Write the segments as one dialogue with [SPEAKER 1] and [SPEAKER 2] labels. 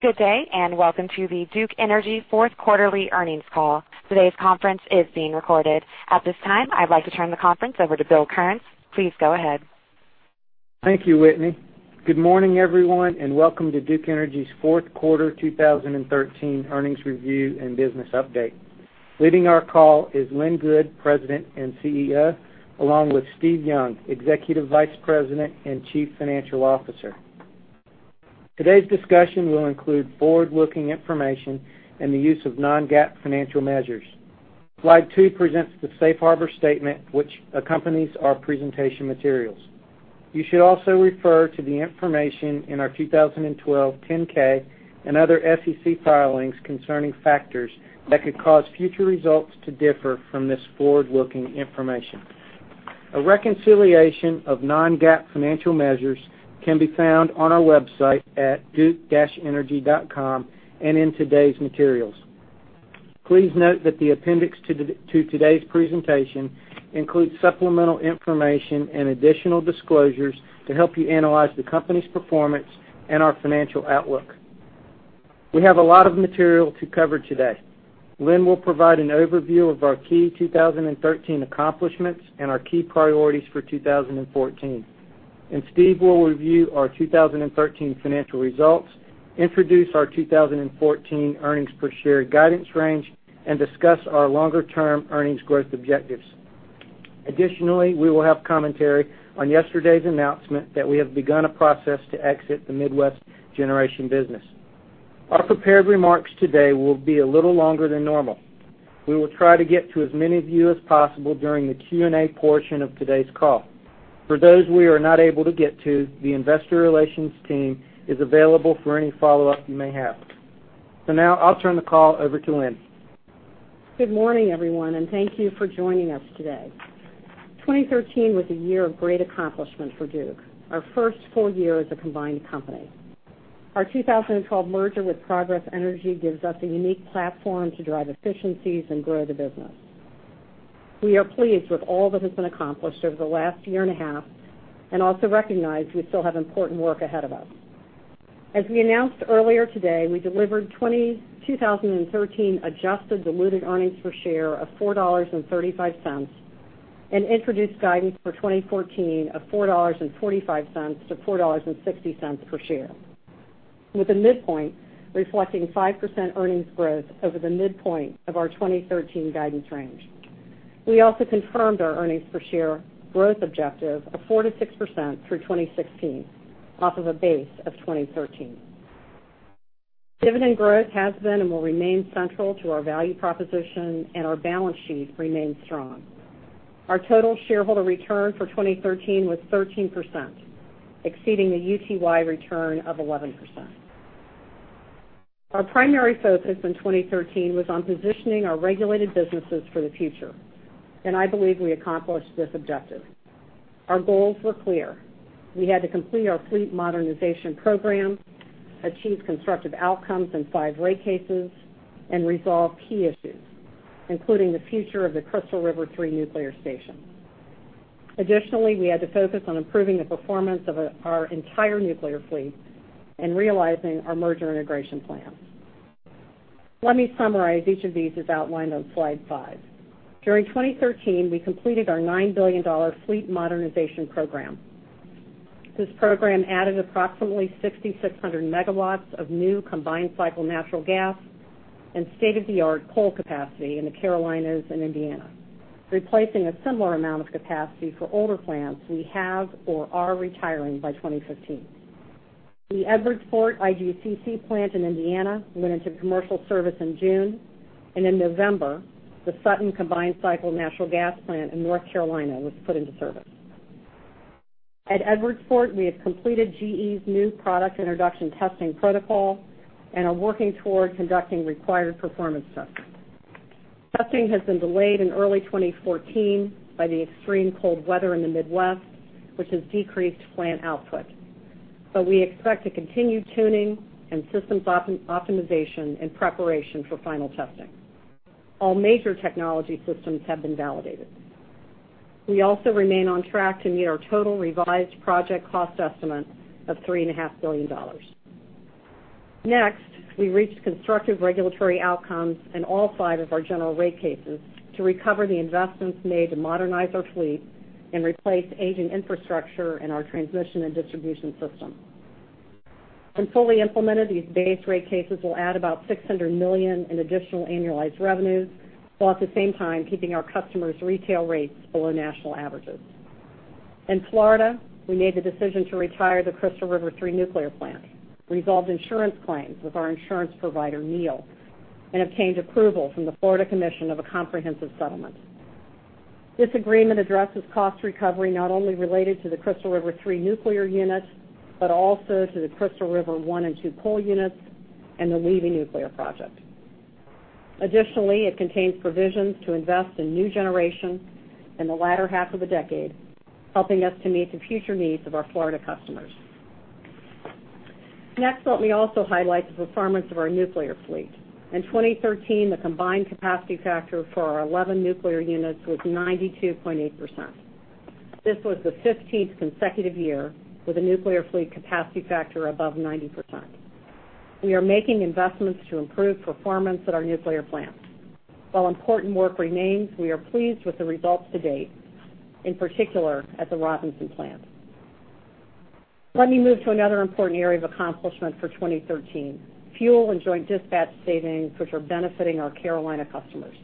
[SPEAKER 1] Good day, welcome to the Duke Energy fourth quarterly earnings call. Today's conference is being recorded. At this time, I'd like to turn the conference over to Bill Kearns. Please go ahead.
[SPEAKER 2] Thank you, Whitney. Good morning, everyone, welcome to Duke Energy's fourth quarter 2013 earnings review and business update. Leading our call is Lynn Good, President and CEO, along with Steve Young, Executive Vice President and Chief Financial Officer. Today's discussion will include forward-looking information and the use of non-GAAP financial measures. Slide two presents the safe harbor statement which accompanies our presentation materials. You should also refer to the information in our 2012 10-K and other SEC filings concerning factors that could cause future results to differ from this forward-looking information. A reconciliation of non-GAAP financial measures can be found on our website at duke-energy.com and in today's materials. Please note that the appendix to today's presentation includes supplemental information and additional disclosures to help you analyze the company's performance and our financial outlook. We have a lot of material to cover today. Lynn will provide an overview of our key 2013 accomplishments and our key priorities for 2014, Steve will review our 2013 financial results, introduce our 2014 earnings per share guidance range, and discuss our longer-term earnings growth objectives. Additionally, we will have commentary on yesterday's announcement that we have begun a process to exit the Midwest Generation business. Our prepared remarks today will be a little longer than normal. We will try to get to as many of you as possible during the Q&A portion of today's call. For those we are not able to get to, the investor relations team is available for any follow-up you may have. Now I'll turn the call over to Lynn.
[SPEAKER 3] Good morning, everyone, thank you for joining us today. 2013 was a year of great accomplishment for Duke, our first full year as a combined company. Our 2012 merger with Progress Energy gives us a unique platform to drive efficiencies and grow the business. We are pleased with all that has been accomplished over the last year and a half and also recognize we still have important work ahead of us. As we announced earlier today, we delivered 2013 adjusted diluted earnings per share of $4.35 and introduced guidance for 2014 of $4.45-$4.60 per share, with a midpoint reflecting 5% earnings growth over the midpoint of our 2013 guidance range. We also confirmed our earnings per share growth objective of 4%-6% through 2016 off of a base of 2013. Dividend growth has been and will remain central to our value proposition. Our balance sheet remains strong. Our total shareholder return for 2013 was 13%, exceeding the UTY return of 11%. Our primary focus in 2013 was on positioning our regulated businesses for the future. I believe we accomplished this objective. Our goals were clear. We had to complete our fleet modernization program, achieve constructive outcomes in five rate cases, and resolve key issues, including the future of the Crystal River 3 nuclear station. Additionally, we had to focus on improving the performance of our entire nuclear fleet and realizing our merger integration plan. Let me summarize each of these as outlined on slide five. During 2013, we completed our $9 billion fleet modernization program. This program added approximately 6,600 megawatts of new combined cycle natural gas and state-of-the-art coal capacity in the Carolinas and Indiana, replacing a similar amount of capacity for older plants we have or are retiring by 2015. The Edwardsport IGCC plant in Indiana went into commercial service in June. In November, the Sutton combined cycle natural gas plant in North Carolina was put into service. At Edwardsport, we have completed GE's new product introduction testing protocol and are working toward conducting required performance tests. Testing has been delayed in early 2014 by the extreme cold weather in the Midwest, which has decreased plant output. We expect to continue tuning and systems optimization in preparation for final testing. All major technology systems have been validated. We also remain on track to meet our total revised project cost estimate of $3.5 billion. Next, we reached constructive regulatory outcomes in all five of our general rate cases to recover the investments made to modernize our fleet and replace aging infrastructure in our transmission and distribution system. When fully implemented, these base rate cases will add about $600 million in additional annualized revenues, while at the same time, keeping our customers' retail rates below national averages. In Florida, we made the decision to retire the Crystal River 3 nuclear plant, resolve insurance claims with our insurance provider, NEIL, and obtained approval from the Florida Commission of a comprehensive settlement. This agreement addresses cost recovery not only related to the Crystal River 3 nuclear units, but also to the Crystal River 1 and 2 coal units and the Levy nuclear project. Additionally, it contains provisions to invest in new generation in the latter half of the decade, helping us to meet the future needs of our Florida customers. Next, let me also highlight the performance of our nuclear fleet. In 2013, the combined capacity factor for our 11 nuclear units was 92.8%. This was the 15th consecutive year with a nuclear fleet capacity factor above 90%. We are making investments to improve performance at our nuclear plants. While important work remains, we are pleased with the results to date, in particular at the Robinson plant. Let me move to another important area of accomplishment for 2013, fuel and joint dispatch savings, which are benefiting our Carolina customers.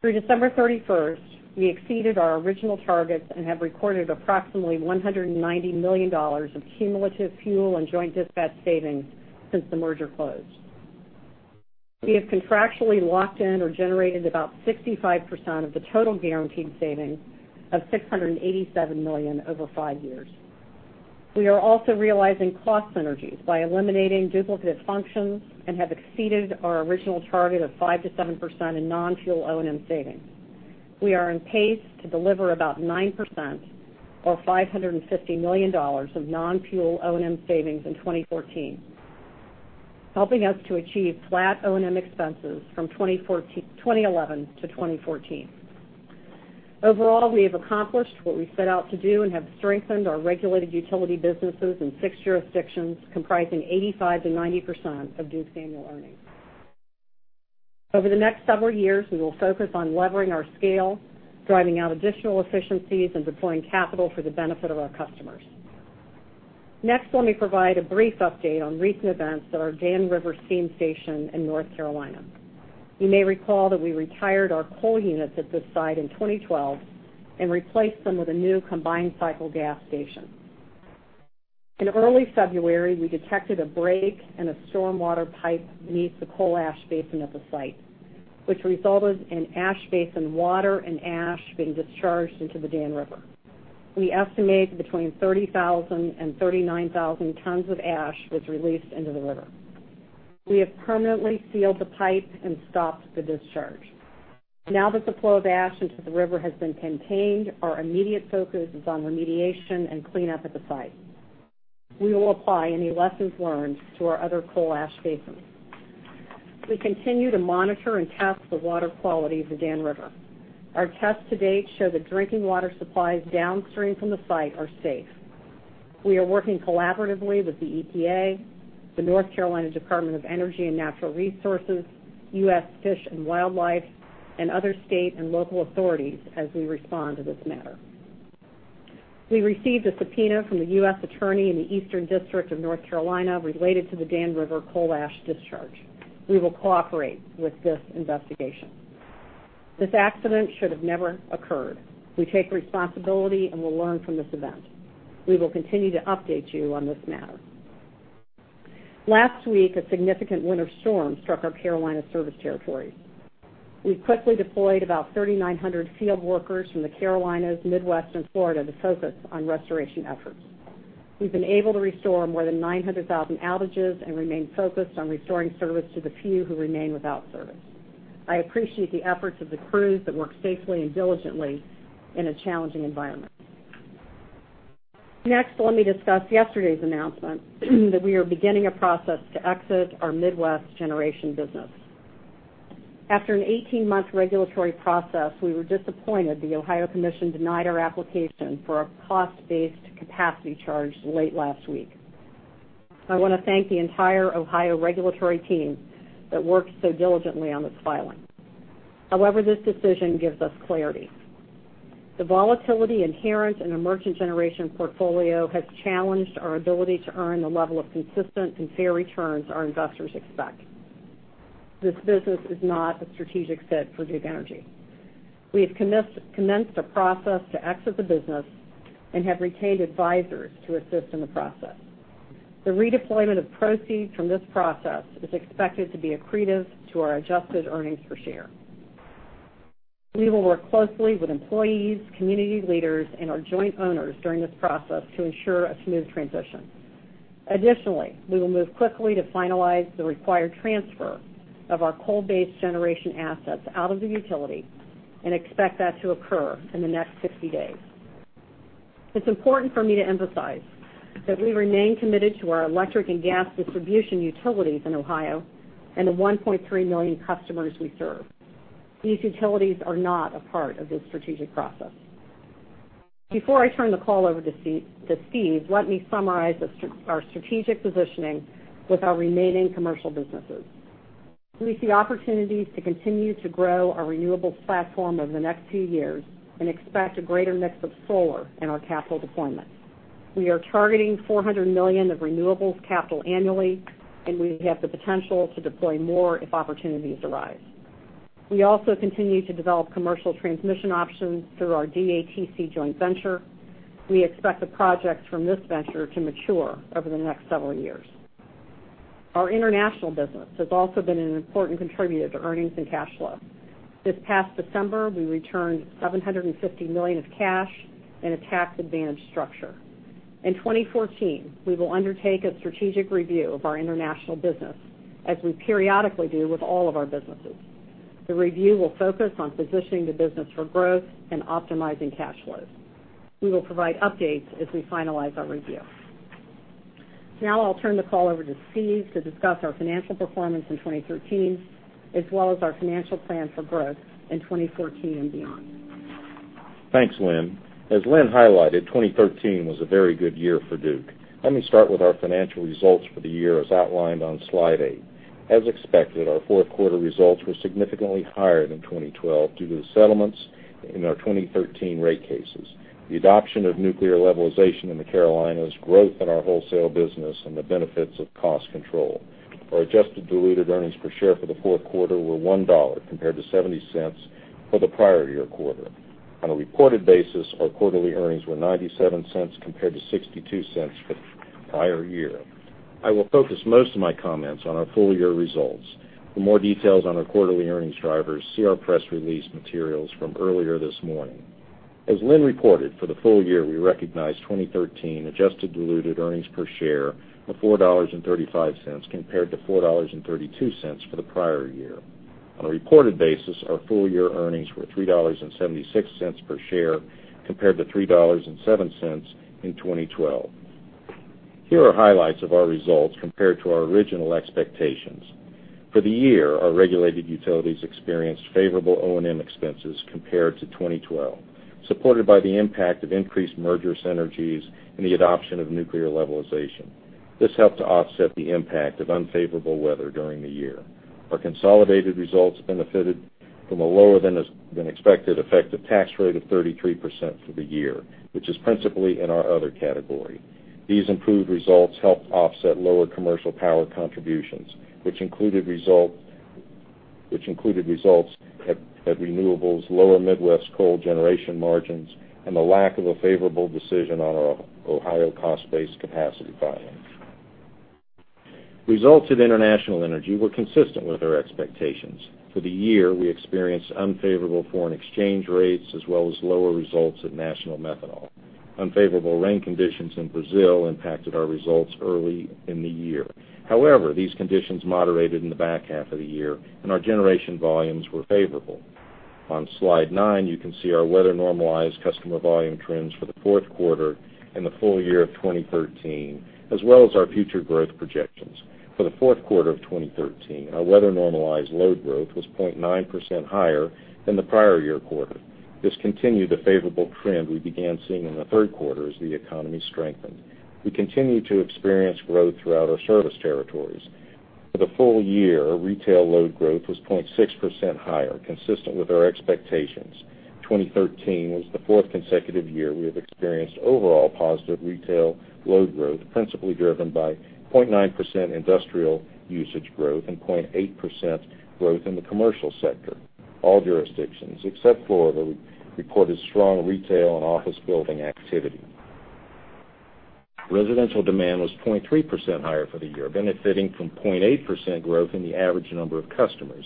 [SPEAKER 3] Through December 31st, we exceeded our original targets and have recorded approximately $190 million of cumulative fuel and joint dispatch savings since the merger closed. We have contractually locked in or generated about 65% of the total guaranteed savings of $687 million over 5 years. We are also realizing cost synergies by eliminating duplicate functions and have exceeded our original target of 5%-7% in non-fuel O&M savings. We are on pace to deliver about 9% or $550 million of non-fuel O&M savings in 2014, helping us to achieve flat O&M expenses from 2011 to 2014. Overall, we have accomplished what we set out to do and have strengthened our regulated utility businesses in 6 jurisdictions, comprising 85%-90% of Duke's annual earnings. Over the next several years, we will focus on levering our scale, driving out additional efficiencies, and deploying capital for the benefit of our customers. Next, let me provide a brief update on recent events at our Dan River Steam Station in North Carolina. You may recall that we retired our coal units at this site in 2012 and replaced them with a new combined cycle gas station. In early February, we detected a break in a stormwater pipe beneath the coal ash basin at the site, which resulted in ash basin water and ash being discharged into the Dan River. We estimate between 30,000 and 39,000 tons of ash was released into the river. We have permanently sealed the pipe and stopped the discharge. Now that the flow of ash into the river has been contained, our immediate focus is on remediation and cleanup at the site. We will apply any lessons learned to our other coal ash basins. We continue to monitor and test the water quality of the Dan River. Our tests to date show that drinking water supplies downstream from the site are safe. We are working collaboratively with the EPA, the North Carolina Department of Environment and Natural Resources, U.S. Fish and Wildlife, and other state and local authorities as we respond to this matter. We received a subpoena from the U.S. Attorney in the Eastern District of North Carolina related to the Dan River coal ash discharge. We will cooperate with this investigation. This accident should have never occurred. We take responsibility and will learn from this event. We will continue to update you on this matter. Last week, a significant winter storm struck our Carolina service territories. We quickly deployed about 3,900 field workers from the Carolinas, Midwest, and Florida to focus on restoration efforts. We've been able to restore more than 900,000 outages and remain focused on restoring service to the few who remain without service. I appreciate the efforts of the crews that work safely and diligently in a challenging environment. Next, let me discuss yesterday's announcement that we are beginning a process to exit our Midwest Generation business. After an 18-month regulatory process, we were disappointed the Ohio Commission denied our application for a cost-based capacity charge late last week. I want to thank the entire Ohio regulatory team that worked so diligently on this filing. However, this decision gives us clarity. The volatility inherent in a merchant generation portfolio has challenged our ability to earn the level of consistent and fair returns our investors expect. This business is not a strategic fit for Duke Energy. We have commenced a process to exit the business and have retained advisors to assist in the process. The redeployment of proceeds from this process is expected to be accretive to our adjusted earnings per share. We will work closely with employees, community leaders, and our joint owners during this process to ensure a smooth transition. We will move quickly to finalize the required transfer of our coal-based generation assets out of the utility and expect that to occur in the next 60 days. It's important for me to emphasize that we remain committed to our electric and gas distribution utilities in Ohio and the 1.3 million customers we serve. These utilities are not a part of this strategic process. Before I turn the call over to Steve, let me summarize our strategic positioning with our remaining commercial businesses. We see opportunities to continue to grow our renewables platform over the next few years and expect a greater mix of solar in our capital deployment. We are targeting $400 million of renewables capital annually, and we have the potential to deploy more if opportunities arise. We also continue to develop commercial transmission options through our DATC joint venture. We expect the projects from this venture to mature over the next several years. Our international business has also been an important contributor to earnings and cash flow. This past December, we returned $750 million of cash in a tax-advantaged structure. In 2014, we will undertake a strategic review of our international business, as we periodically do with all of our businesses. The review will focus on positioning the business for growth and optimizing cash flow. We will provide updates as we finalize our review. I'll turn the call over to Steve to discuss our financial performance in 2013, as well as our financial plan for growth in 2014 and beyond.
[SPEAKER 4] Thanks, Lynn. As Lynn highlighted, 2013 was a very good year for Duke. Let me start with our financial results for the year as outlined on slide eight. As expected, our fourth quarter results were significantly higher than 2012 due to the settlements in our 2013 rate cases, the adoption of nuclear levelization in the Carolinas, growth in our wholesale business, and the benefits of cost control. Our adjusted diluted earnings per share for the fourth quarter were $1 compared to $0.70 for the prior year quarter. On a reported basis, our quarterly earnings were $0.97 compared to $0.62 for the prior year. I will focus most of my comments on our full year results. For more details on our quarterly earnings drivers, see our press release materials from earlier this morning. As Lynn reported, for the full year, we recognized 2013 adjusted diluted earnings per share of $4.35 compared to $4.32 for the prior year. On a reported basis, our full year earnings were $3.76 per share compared to $3.07 in 2012. Here are highlights of our results compared to our original expectations. For the year, our regulated utilities experienced favorable O&M expenses compared to 2012, supported by the impact of increased merger synergies and the adoption of nuclear levelization. This helped to offset the impact of unfavorable weather during the year. Our consolidated results benefited from a lower than expected effective tax rate of 33% for the year, which is principally in our other category. These improved results helped offset lower commercial power contributions, which included results at renewables, lower Midwest coal generation margins, and the lack of a favorable decision on our Ohio cost-based capacity filing. Results at International Energy were consistent with our expectations. For the year, we experienced unfavorable foreign exchange rates as well as lower results at National Methanol. Unfavorable rain conditions in Brazil impacted our results early in the year. However, these conditions moderated in the back half of the year, and our generation volumes were favorable. On slide 9, you can see our weather-normalized customer volume trends for the fourth quarter and the full year of 2013, as well as our future growth projections. For the fourth quarter of 2013, our weather-normalized load growth was 0.9% higher than the prior year quarter. This continued a favorable trend we began seeing in the third quarter as the economy strengthened. We continue to experience growth throughout our service territories. For the full year, retail load growth was 0.6% higher, consistent with our expectations. 2013 was the fourth consecutive year we have experienced overall positive retail load growth, principally driven by 0.9% industrial usage growth and 0.8% growth in the commercial sector. All jurisdictions, except Florida, reported strong retail and office building activity. Residential demand was 0.3% higher for the year, benefiting from 0.8% growth in the average number of customers.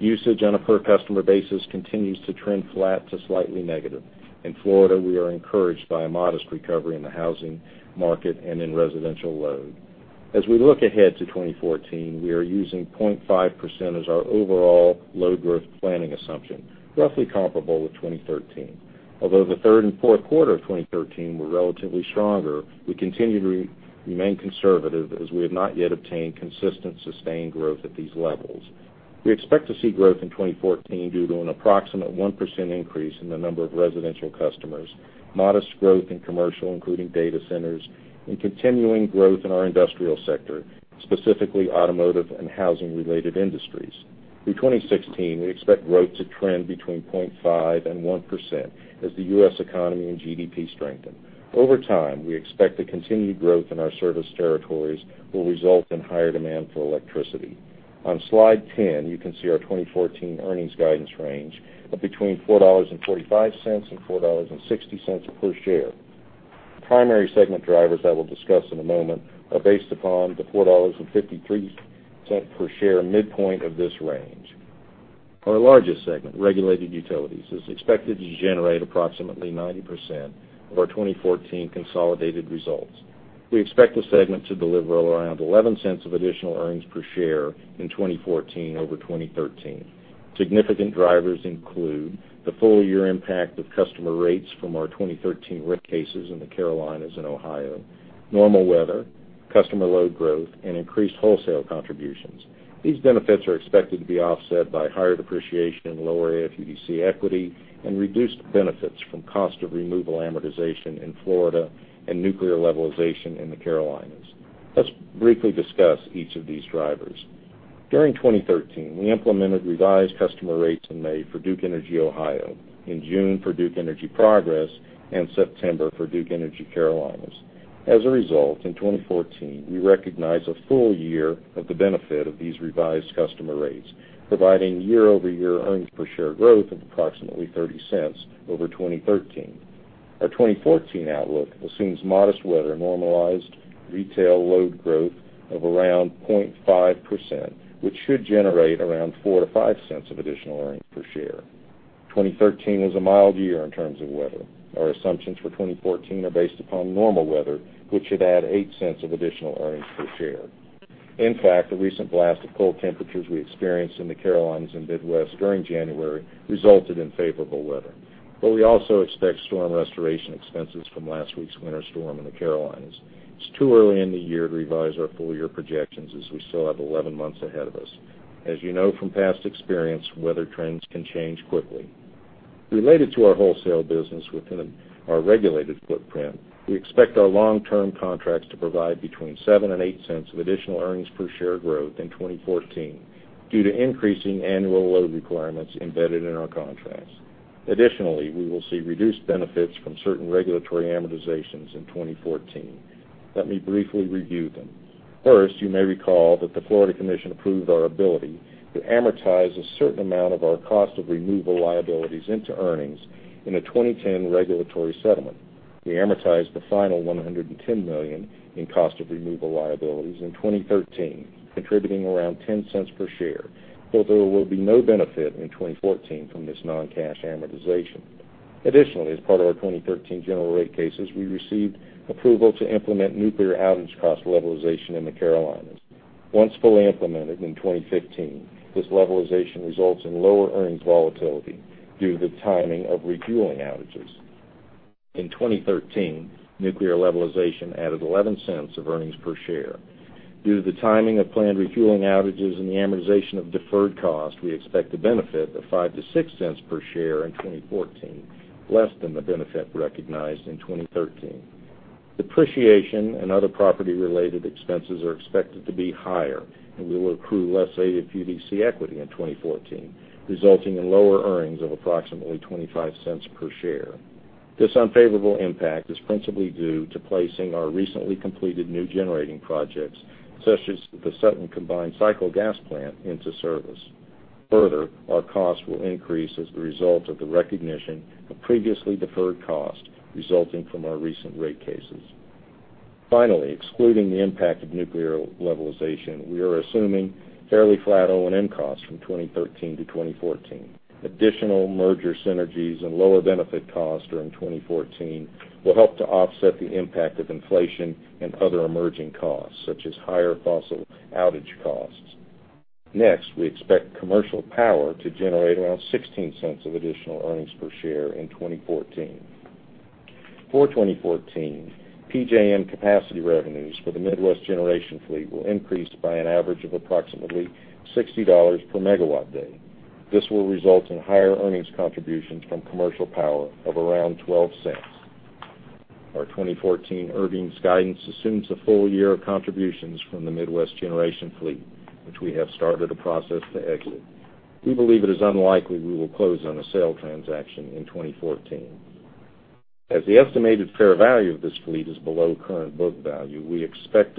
[SPEAKER 4] Usage on a per customer basis continues to trend flat to slightly negative. In Florida, we are encouraged by a modest recovery in the housing market and in residential load. As we look ahead to 2014, we are using 0.5% as our overall load growth planning assumption, roughly comparable with 2013. Although the third and fourth quarter of 2013 were relatively stronger, we continue to remain conservative as we have not yet obtained consistent, sustained growth at these levels. We expect to see growth in 2014 due to an approximate 1% increase in the number of residential customers, modest growth in commercial, including data centers, and continuing growth in our industrial sector, specifically automotive and housing-related industries. Through 2016, we expect growth to trend between 0.5% and 1% as the U.S. economy and GDP strengthen. Over time, we expect the continued growth in our service territories will result in higher demand for electricity. On slide 10, you can see our 2014 earnings guidance range of between $4.45 and $4.60 per share. The primary segment drivers I will discuss in a moment are based upon the $4.53 per share midpoint of this range. Our largest segment, regulated utilities, is expected to generate approximately 90% of our 2014 consolidated results. We expect the segment to deliver around $0.11 of additional earnings per share in 2014 over 2013. Significant drivers include the full year impact of customer rates from our 2013 rate cases in the Carolinas and Ohio, normal weather, customer load growth, and increased wholesale contributions. These benefits are expected to be offset by higher depreciation and lower AFUDC equity and reduced benefits from cost of removal amortization in Florida and nuclear levelization in the Carolinas. Let's briefly discuss each of these drivers. During 2013, we implemented revised customer rates in May for Duke Energy Ohio, in June for Duke Energy Progress, and September for Duke Energy Carolinas. As a result, in 2014, we recognized a full year of the benefit of these revised customer rates, providing year-over-year earnings per share growth of approximately $0.30 over 2013. Our 2014 outlook assumes modest weather, normalized retail load growth of around 0.5%, which should generate around $0.04-$0.05 of additional earnings per share. 2013 was a mild year in terms of weather. Our assumptions for 2014 are based upon normal weather, which should add $0.08 of additional earnings per share. In fact, the recent blast of cold temperatures we experienced in the Carolinas and Midwest during January resulted in favorable weather. We also expect storm restoration expenses from last week's winter storm in the Carolinas. It's too early in the year to revise our full-year projections as we still have 11 months ahead of us. As you know from past experience, weather trends can change quickly. Related to our wholesale business within our regulated footprint, we expect our long-term contracts to provide between $0.07 and $0.08 of additional earnings per share growth in 2014 due to increasing annual load requirements embedded in our contracts. Additionally, we will see reduced benefits from certain regulatory amortizations in 2014. Let me briefly review them. First, you may recall that the Florida Commission approved our ability to amortize a certain amount of our cost of removal liabilities into earnings in a 2010 regulatory settlement. We amortized the final $110 million in cost of removal liabilities in 2013, contributing around $0.10 per share. There will be no benefit in 2014 from this non-cash amortization. Additionally, as part of our 2013 general rate cases, we received approval to implement nuclear outage cost levelization in the Carolinas. Once fully implemented in 2015, this levelization results in lower earnings volatility due to the timing of refueling outages. In 2013, nuclear levelization added $0.11 of earnings per share. Due to the timing of planned refueling outages and the amortization of deferred cost, we expect the benefit of $0.05 to $0.06 per share in 2014, less than the benefit recognized in 2013. Depreciation and other property-related expenses are expected to be higher. We will accrue less AFUDC equity in 2014, resulting in lower earnings of approximately $0.25 per share. This unfavorable impact is principally due to placing our recently completed new generating projects, such as the Sutton combined cycle gas plant, into service. Further, our costs will increase as the result of the recognition of previously deferred cost resulting from our recent rate cases. Finally, excluding the impact of nuclear levelization, we are assuming fairly flat O&M costs from 2013 to 2014. Additional merger synergies and lower benefit costs during 2014 will help to offset the impact of inflation and other emerging costs, such as higher fossil outage costs. Next, we expect commercial power to generate around $0.16 of additional earnings per share in 2014. For 2014, PJM capacity revenues for the Midwest Generation fleet will increase by an average of approximately $60 per megawatt day. This will result in higher earnings contributions from commercial power of around $0.12. Our 2014 earnings guidance assumes a full year of contributions from the Midwest Generation fleet, which we have started a process to exit. We believe it is unlikely we will close on a sale transaction in 2014. As the estimated fair value of this fleet is below current book value, we expect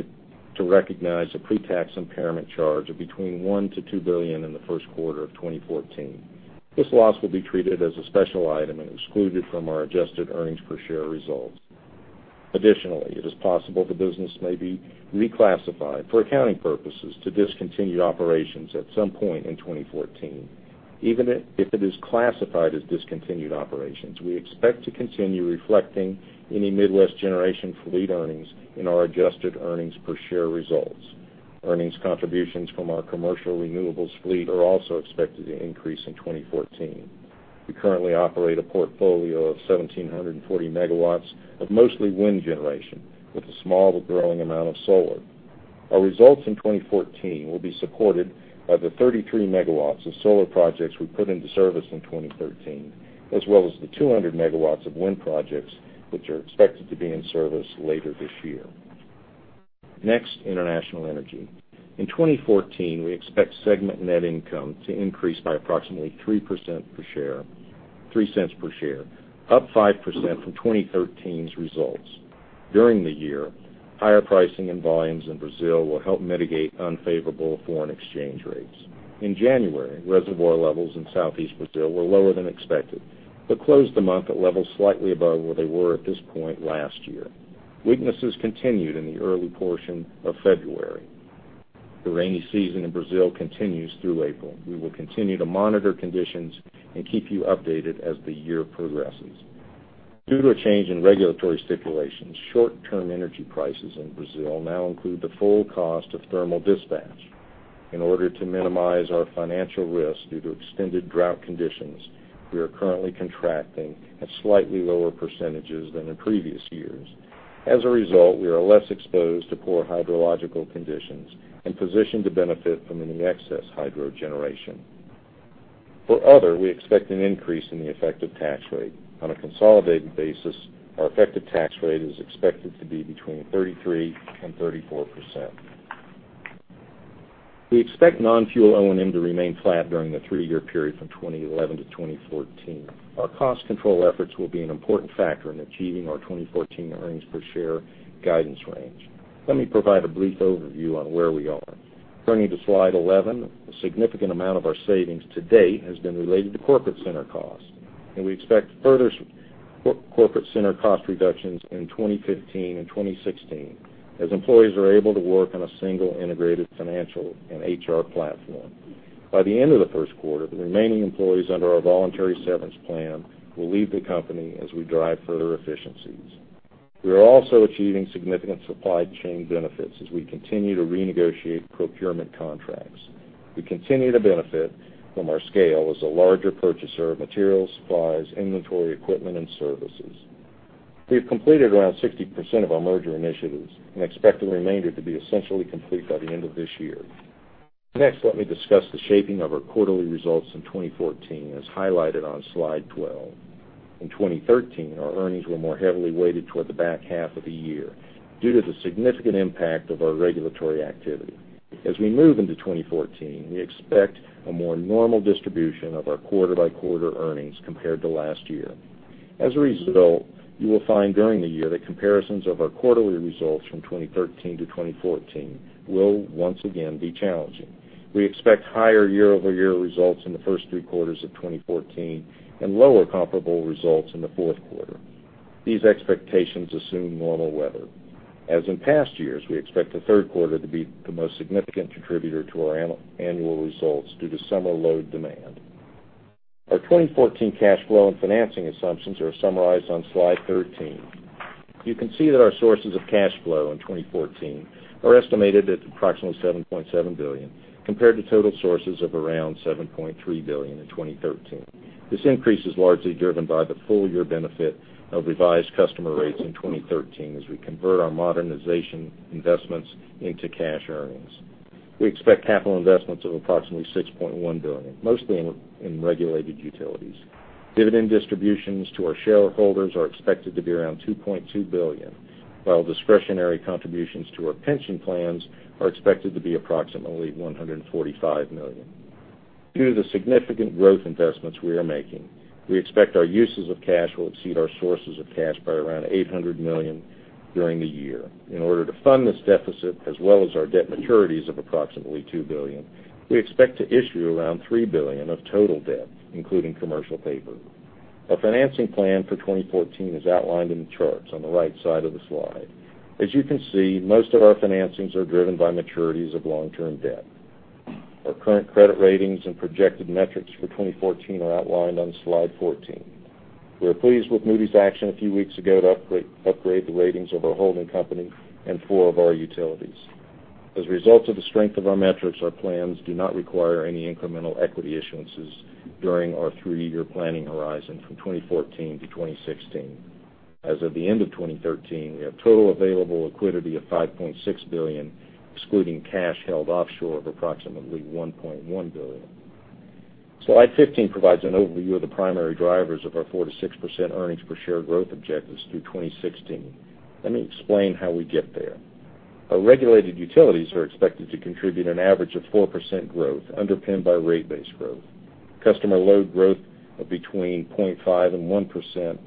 [SPEAKER 4] to recognize a pre-tax impairment charge of between $1 billion to $2 billion in the first quarter of 2014. This loss will be treated as a special item and excluded from our adjusted earnings per share results. Additionally, it is possible the business may be reclassified for accounting purposes to discontinued operations at some point in 2014. Even if it is classified as discontinued operations, we expect to continue reflecting any Midwest Generation fleet earnings in our adjusted earnings per share results. Earnings contributions from our commercial renewables fleet are also expected to increase in 2014. We currently operate a portfolio of 1,740 megawatts of mostly wind generation with a small but growing amount of solar. Our results in 2014 will be supported by the 33 megawatts of solar projects we put into service in 2013, as well as the 200 megawatts of wind projects which are expected to be in service later this year. Next, International Energy. In 2014, we expect segment net income to increase by approximately $0.03 per share, up 5% from 2013's results. During the year, higher pricing and volumes in Brazil will help mitigate unfavorable foreign exchange rates. In January, reservoir levels in southeast Brazil were lower than expected but closed the month at levels slightly above where they were at this point last year. Weaknesses continued in the early portion of February. The rainy season in Brazil continues through April. We will continue to monitor conditions and keep you updated as the year progresses. Due to a change in regulatory stipulations, short-term energy prices in Brazil now include the full cost of thermal dispatch. In order to minimize our financial risk due to extended drought conditions, we are currently contracting at slightly lower percentages than in previous years. As a result, we are less exposed to poor hydrological conditions and positioned to benefit from any excess hydro generation. For other, we expect an increase in the effective tax rate. On a consolidated basis, our effective tax rate is expected to be between 33% and 34%. We expect non-fuel O&M to remain flat during the three-year period from 2011 to 2014. Our cost control efforts will be an important factor in achieving our 2014 earnings per share guidance range. Let me provide a brief overview on where we are. Turning to slide 11, a significant amount of our savings to date has been related to corporate center costs. We expect further corporate center cost reductions in 2015 and 2016 as employees are able to work on a single integrated financial and HR platform. By the end of the first quarter, the remaining employees under our voluntary severance plan will leave the company as we drive further efficiencies. We are also achieving significant supply chain benefits as we continue to renegotiate procurement contracts. We continue to benefit from our scale as a larger purchaser of materials, supplies, inventory, equipment, and services. We've completed around 60% of our merger initiatives. We expect the remainder to be essentially complete by the end of this year. Next, let me discuss the shaping of our quarterly results in 2014, as highlighted on slide 12. In 2013, our earnings were more heavily weighted toward the back half of the year due to the significant impact of our regulatory activity. As we move into 2014, we expect a more normal distribution of our quarter-by-quarter earnings compared to last year. As a result, you will find during the year that comparisons of our quarterly results from 2013 to 2014 will once again be challenging. We expect higher year-over-year results in the first three quarters of 2014 and lower comparable results in the fourth quarter. These expectations assume normal weather. As in past years, we expect the third quarter to be the most significant contributor to our annual results due to summer load demand. Our 2014 cash flow and financing assumptions are summarized on slide 13. You can see that our sources of cash flow in 2014 are estimated at approximately $7.7 billion, compared to total sources of around $7.3 billion in 2013. This increase is largely driven by the full-year benefit of revised customer rates in 2013 as we convert our modernization investments into cash earnings. We expect capital investments of approximately $6.1 billion, mostly in regulated utilities. Dividend distributions to our shareholders are expected to be around $2.2 billion, while discretionary contributions to our pension plans are expected to be approximately $145 million. Due to the significant growth investments we are making, we expect our uses of cash will exceed our sources of cash by around $800 million during the year. In order to fund this deficit, as well as our debt maturities of approximately $2 billion, we expect to issue around $3 billion of total debt, including commercial paper. Our financing plan for 2014 is outlined in the charts on the right side of the slide. As you can see, most of our financings are driven by maturities of long-term debt. Our current credit ratings and projected metrics for 2014 are outlined on slide 14. We're pleased with Moody's action a few weeks ago to upgrade the ratings of our holding company and four of our utilities. As a result of the strength of our metrics, our plans do not require any incremental equity issuances during our three-year planning horizon from 2014 to 2016. As of the end of 2013, we have total available liquidity of $5.6 billion, excluding cash held offshore of approximately $1.1 billion. Slide 15 provides an overview of the primary drivers of our 4%-6% earnings per share growth objectives through 2016. Let me explain how we get there. Our regulated utilities are expected to contribute an average of 4% growth, underpinned by rate base growth, customer load growth of between 0.5% and 1%,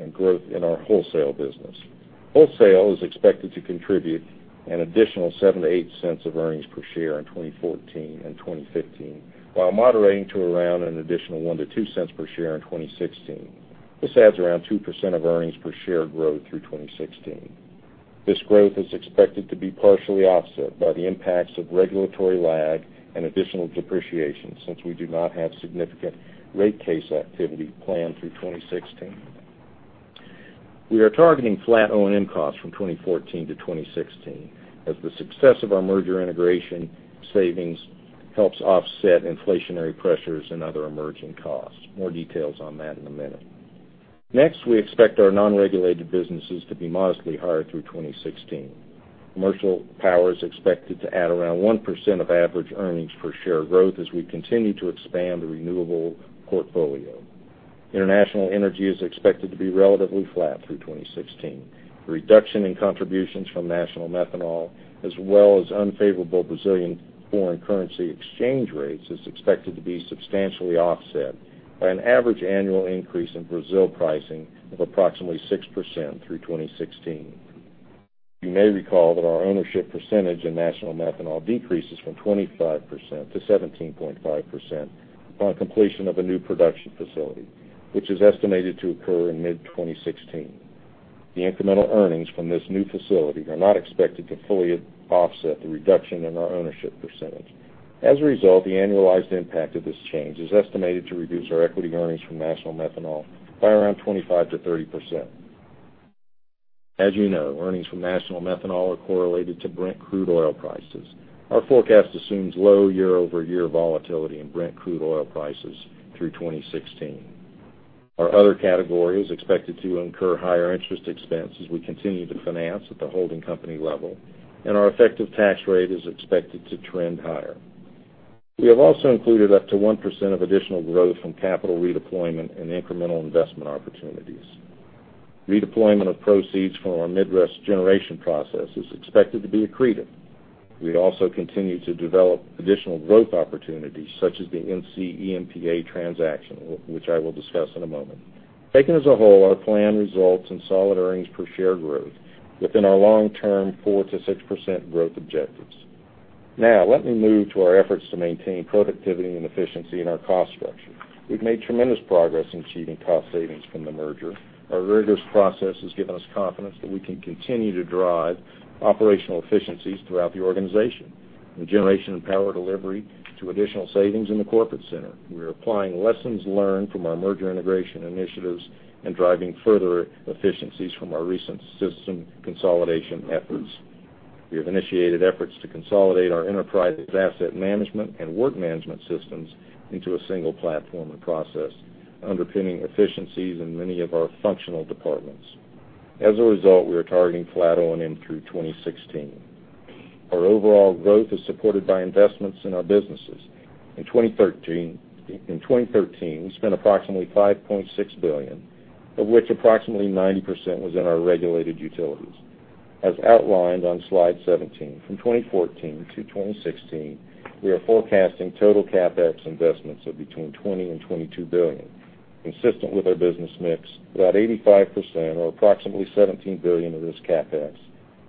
[SPEAKER 4] and growth in our wholesale business. Wholesale is expected to contribute an additional $0.07-$0.08 of earnings per share in 2014 and 2015, while moderating to around an additional $0.01-$0.02 per share in 2016. This adds around 2% of earnings per share growth through 2016. This growth is expected to be partially offset by the impacts of regulatory lag and additional depreciation, since we do not have significant rate case activity planned through 2016. We are targeting flat O&M costs from 2014 to 2016 as the success of our merger integration savings helps offset inflationary pressures and other emerging costs. More details on that in a minute. Next, we expect our non-regulated businesses to be modestly higher through 2016. Commercial power is expected to add around 1% of average earnings per share growth as we continue to expand the renewable portfolio. International Energy is expected to be relatively flat through 2016. The reduction in contributions from National Methanol, as well as unfavorable Brazilian foreign currency exchange rates, is expected to be substantially offset by an average annual increase in Brazil pricing of approximately 6% through 2016. You may recall that our ownership percentage in National Methanol decreases from 25% to 17.5% upon completion of a new production facility, which is estimated to occur in mid-2016. The incremental earnings from this new facility are not expected to fully offset the reduction in our ownership percentage. As a result, the annualized impact of this change is estimated to reduce our equity earnings from National Methanol by around 25% to 30%. As you know, earnings from National Methanol are correlated to Brent crude oil prices. Our forecast assumes low year-over-year volatility in Brent crude oil prices through 2016. Our other category is expected to incur higher interest expense as we continue to finance at the holding company level. Our effective tax rate is expected to trend higher. We have also included up to 1% of additional growth from capital redeployment and incremental investment opportunities. Redeployment of proceeds from our Midwest Generation process is expected to be accretive. We also continue to develop additional growth opportunities, such as the NCEMPA transaction, which I will discuss in a moment. Taken as a whole, our plan results in solid earnings per share growth within our long-term 4% to 6% growth objectives. Let me move to our efforts to maintain productivity and efficiency in our cost structure. We've made tremendous progress in achieving cost savings from the merger. Our rigorous process has given us confidence that we can continue to drive operational efficiencies throughout the organization. In generation and power delivery to additional savings in the corporate center. We are applying lessons learned from our merger integration initiatives and driving further efficiencies from our recent system consolidation efforts. We have initiated efforts to consolidate our enterprise asset management and work management systems into a single platform and process, underpinning efficiencies in many of our functional departments. As a result, we are targeting flat O&M through 2016. Our overall growth is supported by investments in our businesses. In 2013, we spent approximately $5.6 billion, of which approximately 90% was in our regulated utilities. As outlined on slide 17, from 2014 to 2016, we are forecasting total CapEx investments of between $20 billion and $22 billion. Consistent with our business mix, about 85%, or approximately $17 billion of this CapEx,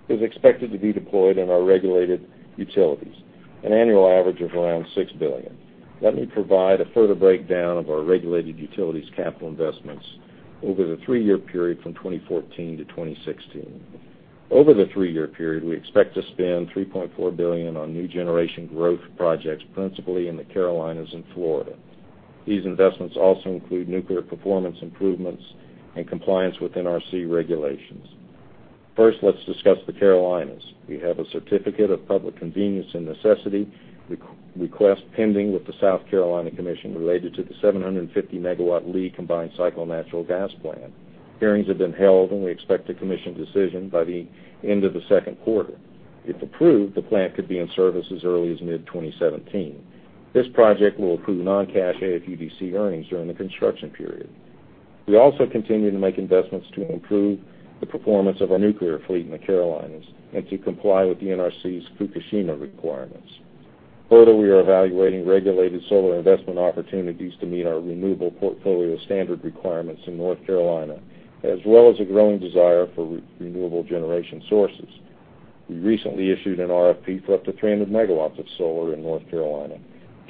[SPEAKER 4] is expected to be deployed in our regulated utilities, an annual average of around $6 billion. Let me provide a further breakdown of our regulated utilities capital investments over the three-year period from 2014 to 2016. Over the three-year period, we expect to spend $3.4 billion on new generation growth projects, principally in the Carolinas and Florida. These investments also include nuclear performance improvements and compliance with NRC regulations. First, let's discuss the Carolinas. We have a certificate of public convenience and necessity request pending with the South Carolina Commission related to the 750-megawatt Lee combined cycle natural gas plant. Hearings have been held, and we expect a commission decision by the end of the second quarter. If approved, the plant could be in service as early as mid-2017. This project will accrue non-cash AFUDC earnings during the construction period. We also continue to make investments to improve the performance of our nuclear fleet in the Carolinas and to comply with the NRC's Fukushima requirements. Further, we are evaluating regulated solar investment opportunities to meet our renewable portfolio standard requirements in North Carolina, as well as a growing desire for renewable generation sources. We recently issued an RFP for up to 300 MW of solar in North Carolina,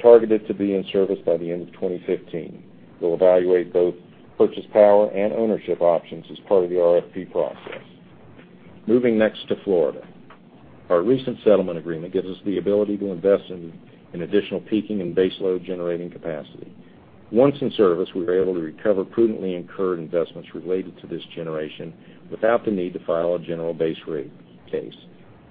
[SPEAKER 4] targeted to be in service by the end of 2015. We'll evaluate both purchase power and ownership options as part of the RFP process. Moving next to Florida. Our recent settlement agreement gives us the ability to invest in additional peaking and baseload generating capacity. Once in service, we were able to recover prudently incurred investments related to this generation without the need to file a general baserate case.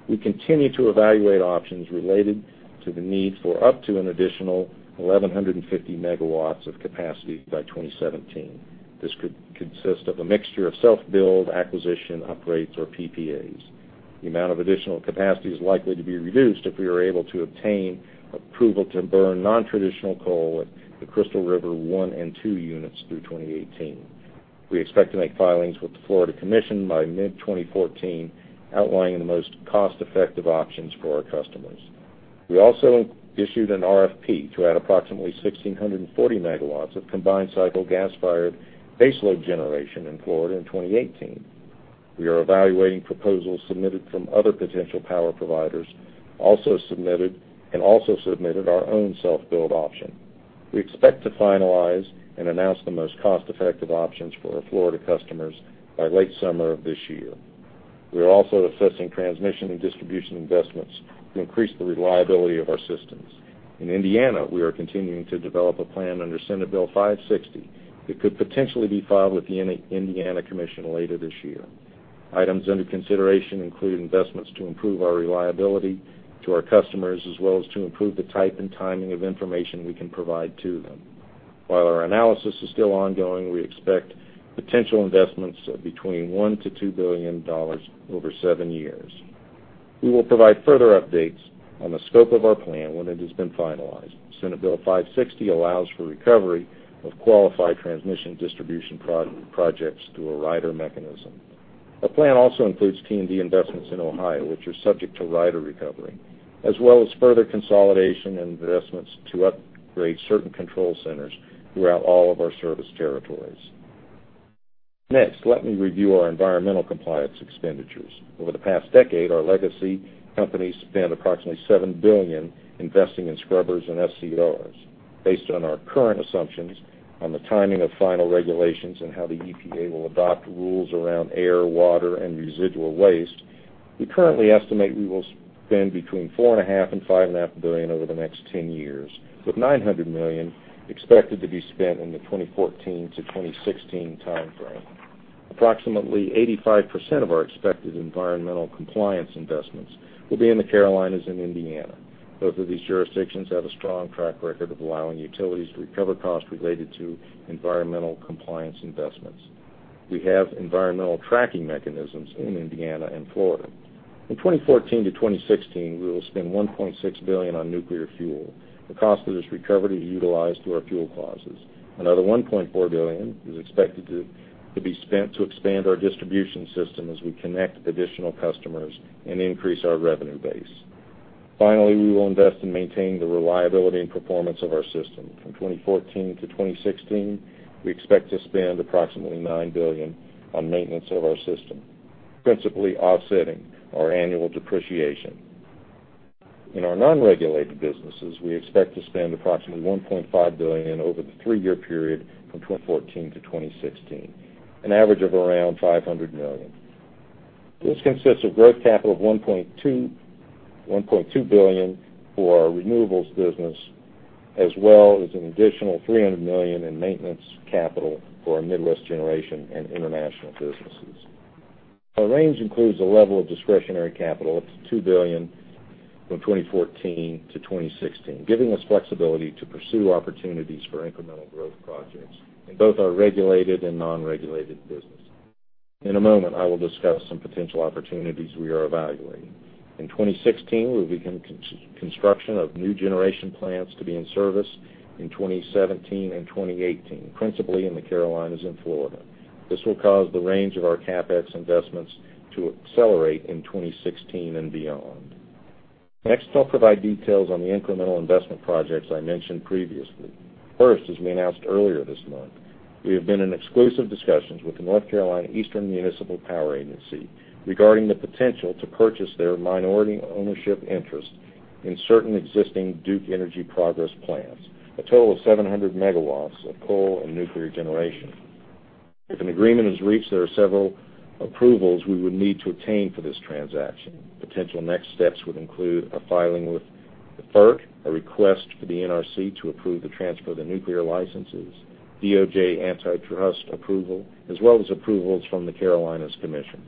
[SPEAKER 4] We continue to evaluate options related to the need for up to an additional 1,150 MW of capacity by 2017. This could consist of a mixture of self-build acquisition upgrades or PPAs. The amount of additional capacity is likely to be reduced if we are able to obtain approval to burn non-traditional coal at the Crystal River 1 and 2 units through 2018. We expect to make filings with the Florida Commission by mid-2014, outlining the most cost-effective options for our customers. We also issued an RFP to add approximately 1,640 MW of combined cycle gas-fired baseload generation in Florida in 2018. We are evaluating proposals submitted from other potential power providers, and also submitted our own self-build option. We expect to finalize and announce the most cost-effective options for our Florida customers by late summer of this year. We are also assessing transmission and distribution investments to increase the reliability of our systems. In Indiana, we are continuing to develop a plan under Senate Bill 560 that could potentially be filed with the Indiana Commission later this year. Items under consideration include investments to improve our reliability to our customers, as well as to improve the type and timing of information we can provide to them. While our analysis is still ongoing, we expect potential investments of between $1 billion-$2 billion over seven years. We will provide further updates on the scope of our plan when it has been finalized. Senate Bill 560 allows for recovery of qualified transmission distribution projects through a rider mechanism. Our plan also includes T&D investments in Ohio, which are subject to rider recovery, as well as further consolidation investments to upgrade certain control centers throughout all of our service territories. Let me review our environmental compliance expenditures. Over the past decade, our legacy companies spent approximately $7 billion investing in scrubbers and SCRs. Based on our current assumptions on the timing of final regulations and how the EPA will adopt rules around air, water, and residual waste, we currently estimate we will spend between $4.5 billion-$5.5 billion over the next 10 years, with $900 million expected to be spent in the 2014 to 2016 timeframe. Approximately 85% of our expected environmental compliance investments will be in the Carolinas and Indiana. Both of these jurisdictions have a strong track record of allowing utilities to recover costs related to environmental compliance investments. We have environmental tracking mechanisms in Indiana and Florida. In 2014 to 2016, we will spend $1.6 billion on nuclear fuel. The cost of this recovery to utilize through our fuel clauses. Another $1.4 billion is expected to be spent to expand our distribution system as we connect additional customers and increase our revenue base. Finally, we will invest in maintaining the reliability and performance of our system. From 2014 to 2016, we expect to spend approximately $9 billion on maintenance of our system, principally offsetting our annual depreciation. In our non-regulated businesses, we expect to spend approximately $1.5 billion over the three-year period from 2014 to 2016, an average of around $500 million. This consists of growth capital of $1.2 billion for our renewables business, as well as an additional $300 million in maintenance capital for our Midwest Generation and international businesses. Our range includes a level of discretionary capital up to $2 billion from 2014 to 2016, giving us flexibility to pursue opportunities for incremental growth projects in both our regulated and non-regulated business. In a moment, I will discuss some potential opportunities we are evaluating. In 2016, we'll begin construction of new generation plants to be in service in 2017 and 2018, principally in the Carolinas and Florida. This will cause the range of our CapEx investments to accelerate in 2016 and beyond. I'll provide details on the incremental investment projects I mentioned previously. As we announced earlier this month, we have been in exclusive discussions with the North Carolina Eastern Municipal Power Agency regarding the potential to purchase their minority ownership interest in certain existing Duke Energy Progress plants, a total of 700 megawatts of coal and nuclear generation. If an agreement is reached, there are several approvals we would need to obtain for this transaction. Potential next steps would include a filing with the FERC, a request for the NRC to approve the transfer of the nuclear licenses, DOJ antitrust approval, as well as approvals from the Carolinas commissions.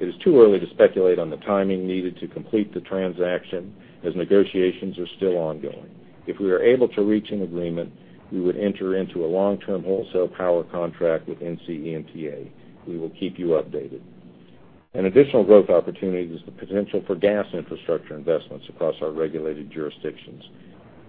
[SPEAKER 4] It is too early to speculate on the timing needed to complete the transaction, as negotiations are still ongoing. If we are able to reach an agreement, we would enter into a long-term wholesale power contract with NCEMPA. We will keep you updated. An additional growth opportunity is the potential for gas infrastructure investments across our regulated jurisdictions.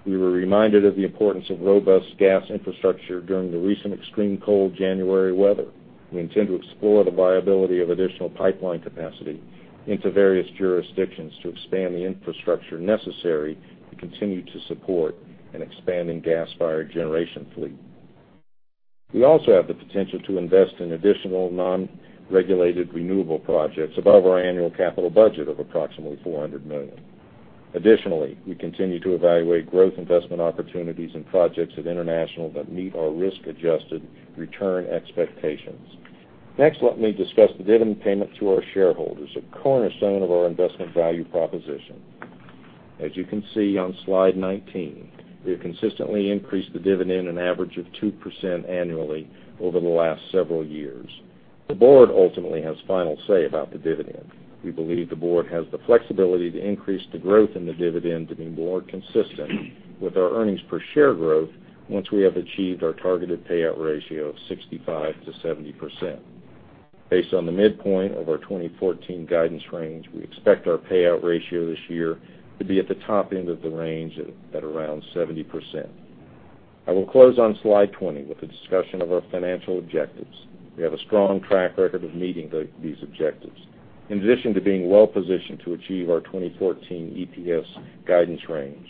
[SPEAKER 4] We were reminded of the importance of robust gas infrastructure during the recent extreme cold January weather. We intend to explore the viability of additional pipeline capacity into various jurisdictions to expand the infrastructure necessary to continue to support an expanding gas-fired generation fleet. We also have the potential to invest in additional non-regulated renewable projects above our annual capital budget of approximately $400 million. We continue to evaluate growth investment opportunities and projects at international that meet our risk-adjusted return expectations. Let me discuss the dividend payment to our shareholders, a cornerstone of our investment value proposition. As you can see on slide 19, we have consistently increased the dividend an average of 2% annually over the last several years. The board ultimately has final say about the dividend. We believe the board has the flexibility to increase the growth in the dividend to be more consistent with our earnings per share growth once we have achieved our targeted payout ratio of 65%-70%. Based on the midpoint of our 2014 guidance range, we expect our payout ratio this year to be at the top end of the range at around 70%. I will close on slide 20 with a discussion of our financial objectives. We have a strong track record of meeting these objectives. In addition to being well positioned to achieve our 2014 EPS guidance range,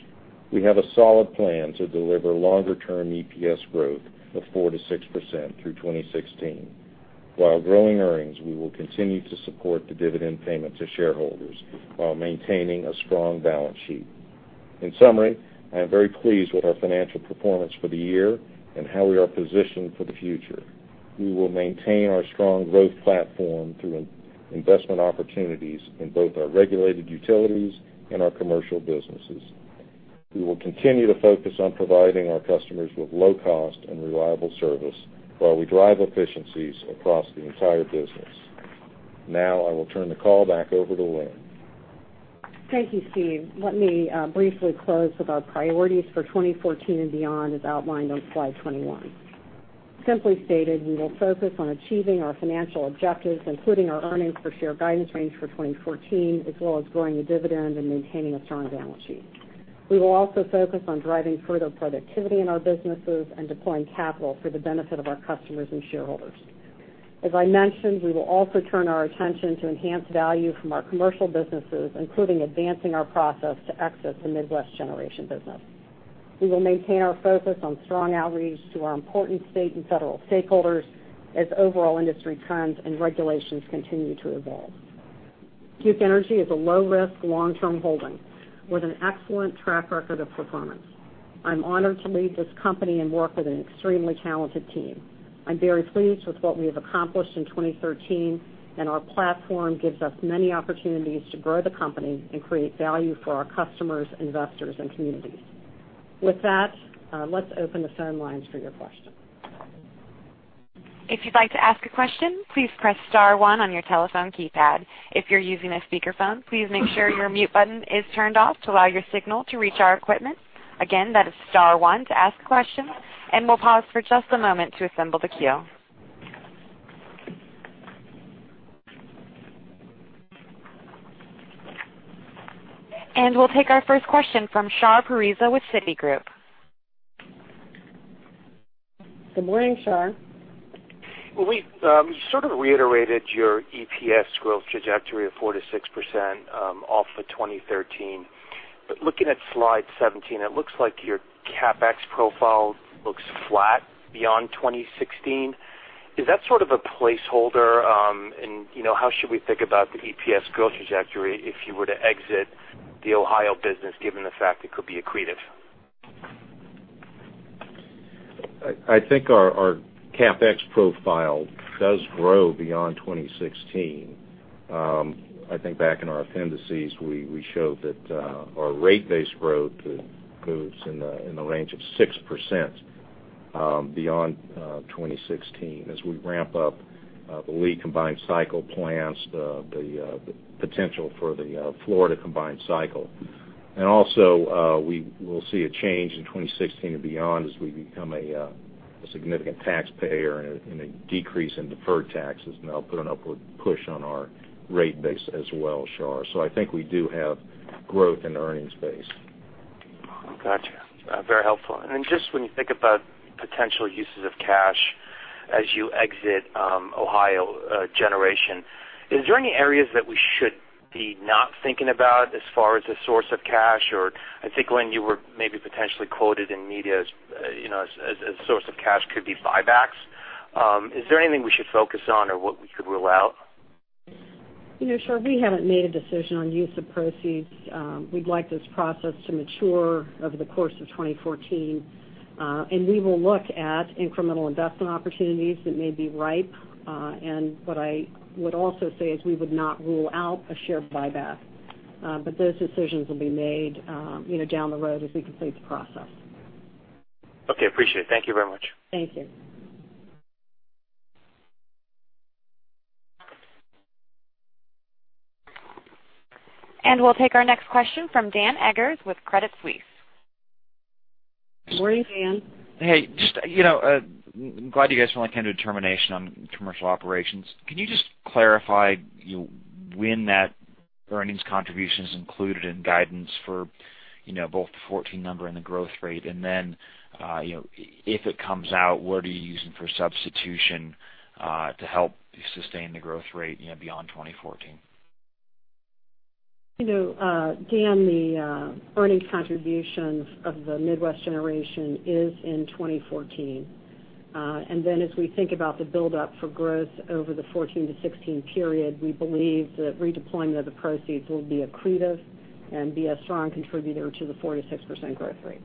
[SPEAKER 4] we have a solid plan to deliver longer-term EPS growth of 4%-6% through 2016. While growing earnings, we will continue to support the dividend payment to shareholders while maintaining a strong balance sheet. In summary, I am very pleased with our financial performance for the year and how we are positioned for the future. We will maintain our strong growth platform through investment opportunities in both our regulated utilities and our commercial businesses. We will continue to focus on providing our customers with low cost and reliable service while we drive efficiencies across the entire business. Now I will turn the call back over to Lynn.
[SPEAKER 3] Thank you, Steve. Let me briefly close with our priorities for 2014 and beyond, as outlined on slide 21. Simply stated, we will focus on achieving our financial objectives, including our earnings per share guidance range for 2014, as well as growing the dividend and maintaining a strong balance sheet. We will also focus on driving further productivity in our businesses and deploying capital for the benefit of our customers and shareholders. As I mentioned, we will also turn our attention to enhanced value from our commercial businesses, including advancing our process to exit the Midwest Generation business. We will maintain our focus on strong outreach to our important state and federal stakeholders as overall industry trends and regulations continue to evolve. Duke Energy is a low-risk, long-term holding with an excellent track record of performance. I'm honored to lead this company and work with an extremely talented team. I'm very pleased with what we have accomplished in 2013. Our platform gives us many opportunities to grow the company and create value for our customers, investors, and communities. With that, let's open the phone lines for your questions.
[SPEAKER 1] If you'd like to ask a question, please press *1 on your telephone keypad. If you're using a speakerphone, please make sure your mute button is turned off to allow your signal to reach our equipment. Again, that is *1 to ask a question. We'll pause for just a moment to assemble the queue. We'll take our first question from Shar Pourreza with Citigroup.
[SPEAKER 3] Good morning, Shar.
[SPEAKER 5] You sort of reiterated your EPS growth trajectory of 4%-6% off of 2013. Looking at slide 17, it looks like your CapEx profile looks flat beyond 2016. Is that sort of a placeholder? How should we think about the EPS growth trajectory if you were to exit the Ohio business, given the fact it could be accretive?
[SPEAKER 4] I think our CapEx profile does grow beyond 2016. I think back in our appendices, we showed that our rate base growth moves in the range of 6% beyond 2016 as we ramp up the Lee combined cycle plants, the potential for the Florida combined cycle. Also, we will see a change in 2016 and beyond as we become a significant taxpayer and a decrease in deferred taxes, and that'll put an upward push on our rate base as well, Shar. I think we do have growth in the earnings base.
[SPEAKER 5] Got you. Very helpful. Just when you think about potential uses of cash as you exit Ohio generation, is there any areas that we should be not thinking about as far as a source of cash? I think when you were maybe potentially quoted in media as a source of cash could be buybacks. Is there anything we should focus on or what we could rule out?
[SPEAKER 3] Shar, we haven't made a decision on use of proceeds. We'd like this process to mature over the course of 2014. We will look at incremental investment opportunities that may be ripe. What I would also say is we would not rule out a share buyback, those decisions will be made down the road as we complete the process.
[SPEAKER 5] Okay, appreciate it. Thank you very much.
[SPEAKER 3] Thank you.
[SPEAKER 1] We'll take our next question from Dan Eggers with Credit Suisse.
[SPEAKER 3] Morning, Dan.
[SPEAKER 6] Hey, just glad you guys finally came to a determination on commercial operations. Can you just clarify when that earnings contribution is included in guidance for both the 2014 number and the growth rate? If it comes out, what are you using for substitution to help sustain the growth rate beyond 2014?
[SPEAKER 3] Dan, the earnings contributions of the Midwest Generation is in 2014. As we think about the buildup for growth over the 2014 to 2016 period, we believe that redeployment of the proceeds will be accretive and be a strong contributor to the 4%-6% growth rate.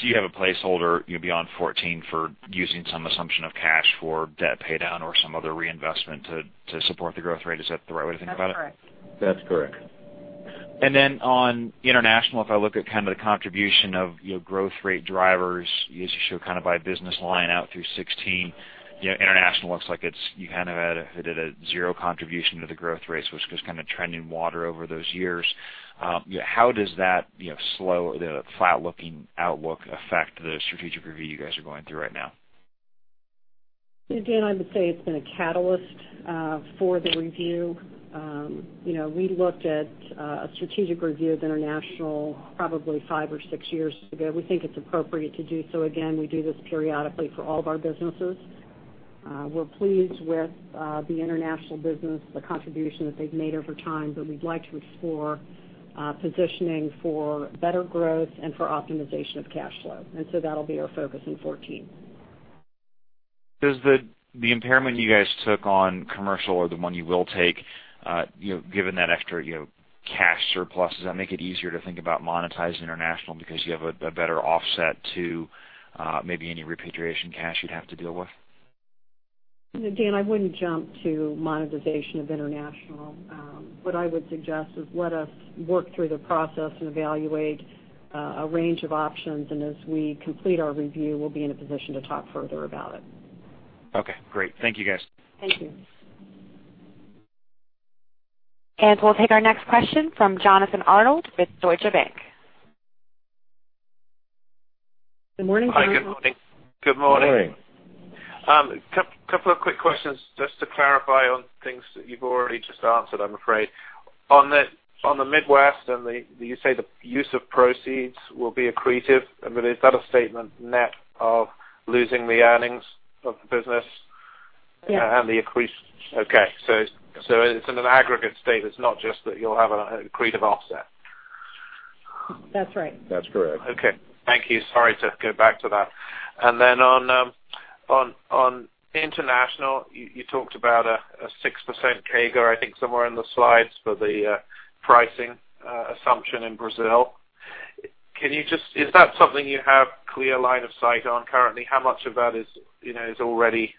[SPEAKER 6] You have a placeholder beyond 2014 for using some assumption of cash for debt paydown or some other reinvestment to support the growth rate. Is that the right way to think about it?
[SPEAKER 3] That's correct.
[SPEAKER 4] That's correct.
[SPEAKER 6] Then on international, if I look at the contribution of growth rate drivers, you guys show by business line out through 2016. International looks like it's at a zero contribution to the growth rates, which was just treading water over those years. How does that slow, the flat-looking outlook affect the strategic review you guys are going through right now?
[SPEAKER 3] Dan, I would say it's been a catalyst for the review. We looked at a strategic review of international probably five or six years ago. We think it's appropriate to do so again. We do this periodically for all of our businesses. We're pleased with the international business, the contribution that they've made over time. We'd like to explore positioning for better growth and for optimization of cash flow. That'll be our focus in 2014.
[SPEAKER 6] Does the impairment you guys took on commercial or the one you will take, given that after cash surplus, does that make it easier to think about monetizing international because you have a better offset to maybe any repatriation cash you'd have to deal with?
[SPEAKER 3] Dan, I wouldn't jump to monetization of international. What I would suggest is let us work through the process and evaluate a range of options, as we complete our review, we'll be in a position to talk further about it.
[SPEAKER 6] Okay, great. Thank you, guys.
[SPEAKER 3] Thank you.
[SPEAKER 1] We'll take our next question from Jonathan Arnold with Deutsche Bank.
[SPEAKER 3] Good morning, Jonathan.
[SPEAKER 7] Hi, good morning.
[SPEAKER 4] Good morning.
[SPEAKER 7] Couple of quick questions just to clarify on things that you've already just answered, I'm afraid. On the Midwest and you say the use of proceeds will be accretive. I mean, is that a statement net of losing the earnings of the business?
[SPEAKER 3] Yeah.
[SPEAKER 7] The increase. Okay. It's in an aggregate state. It's not just that you'll have an accretive offset.
[SPEAKER 3] That's right.
[SPEAKER 4] That's correct.
[SPEAKER 7] Okay. Thank you. Sorry to go back to that. On international, you talked about a 6% CAGR, I think somewhere in the slides for the pricing assumption in Brazil. Is that something you have clear line of sight on currently? How much of that is already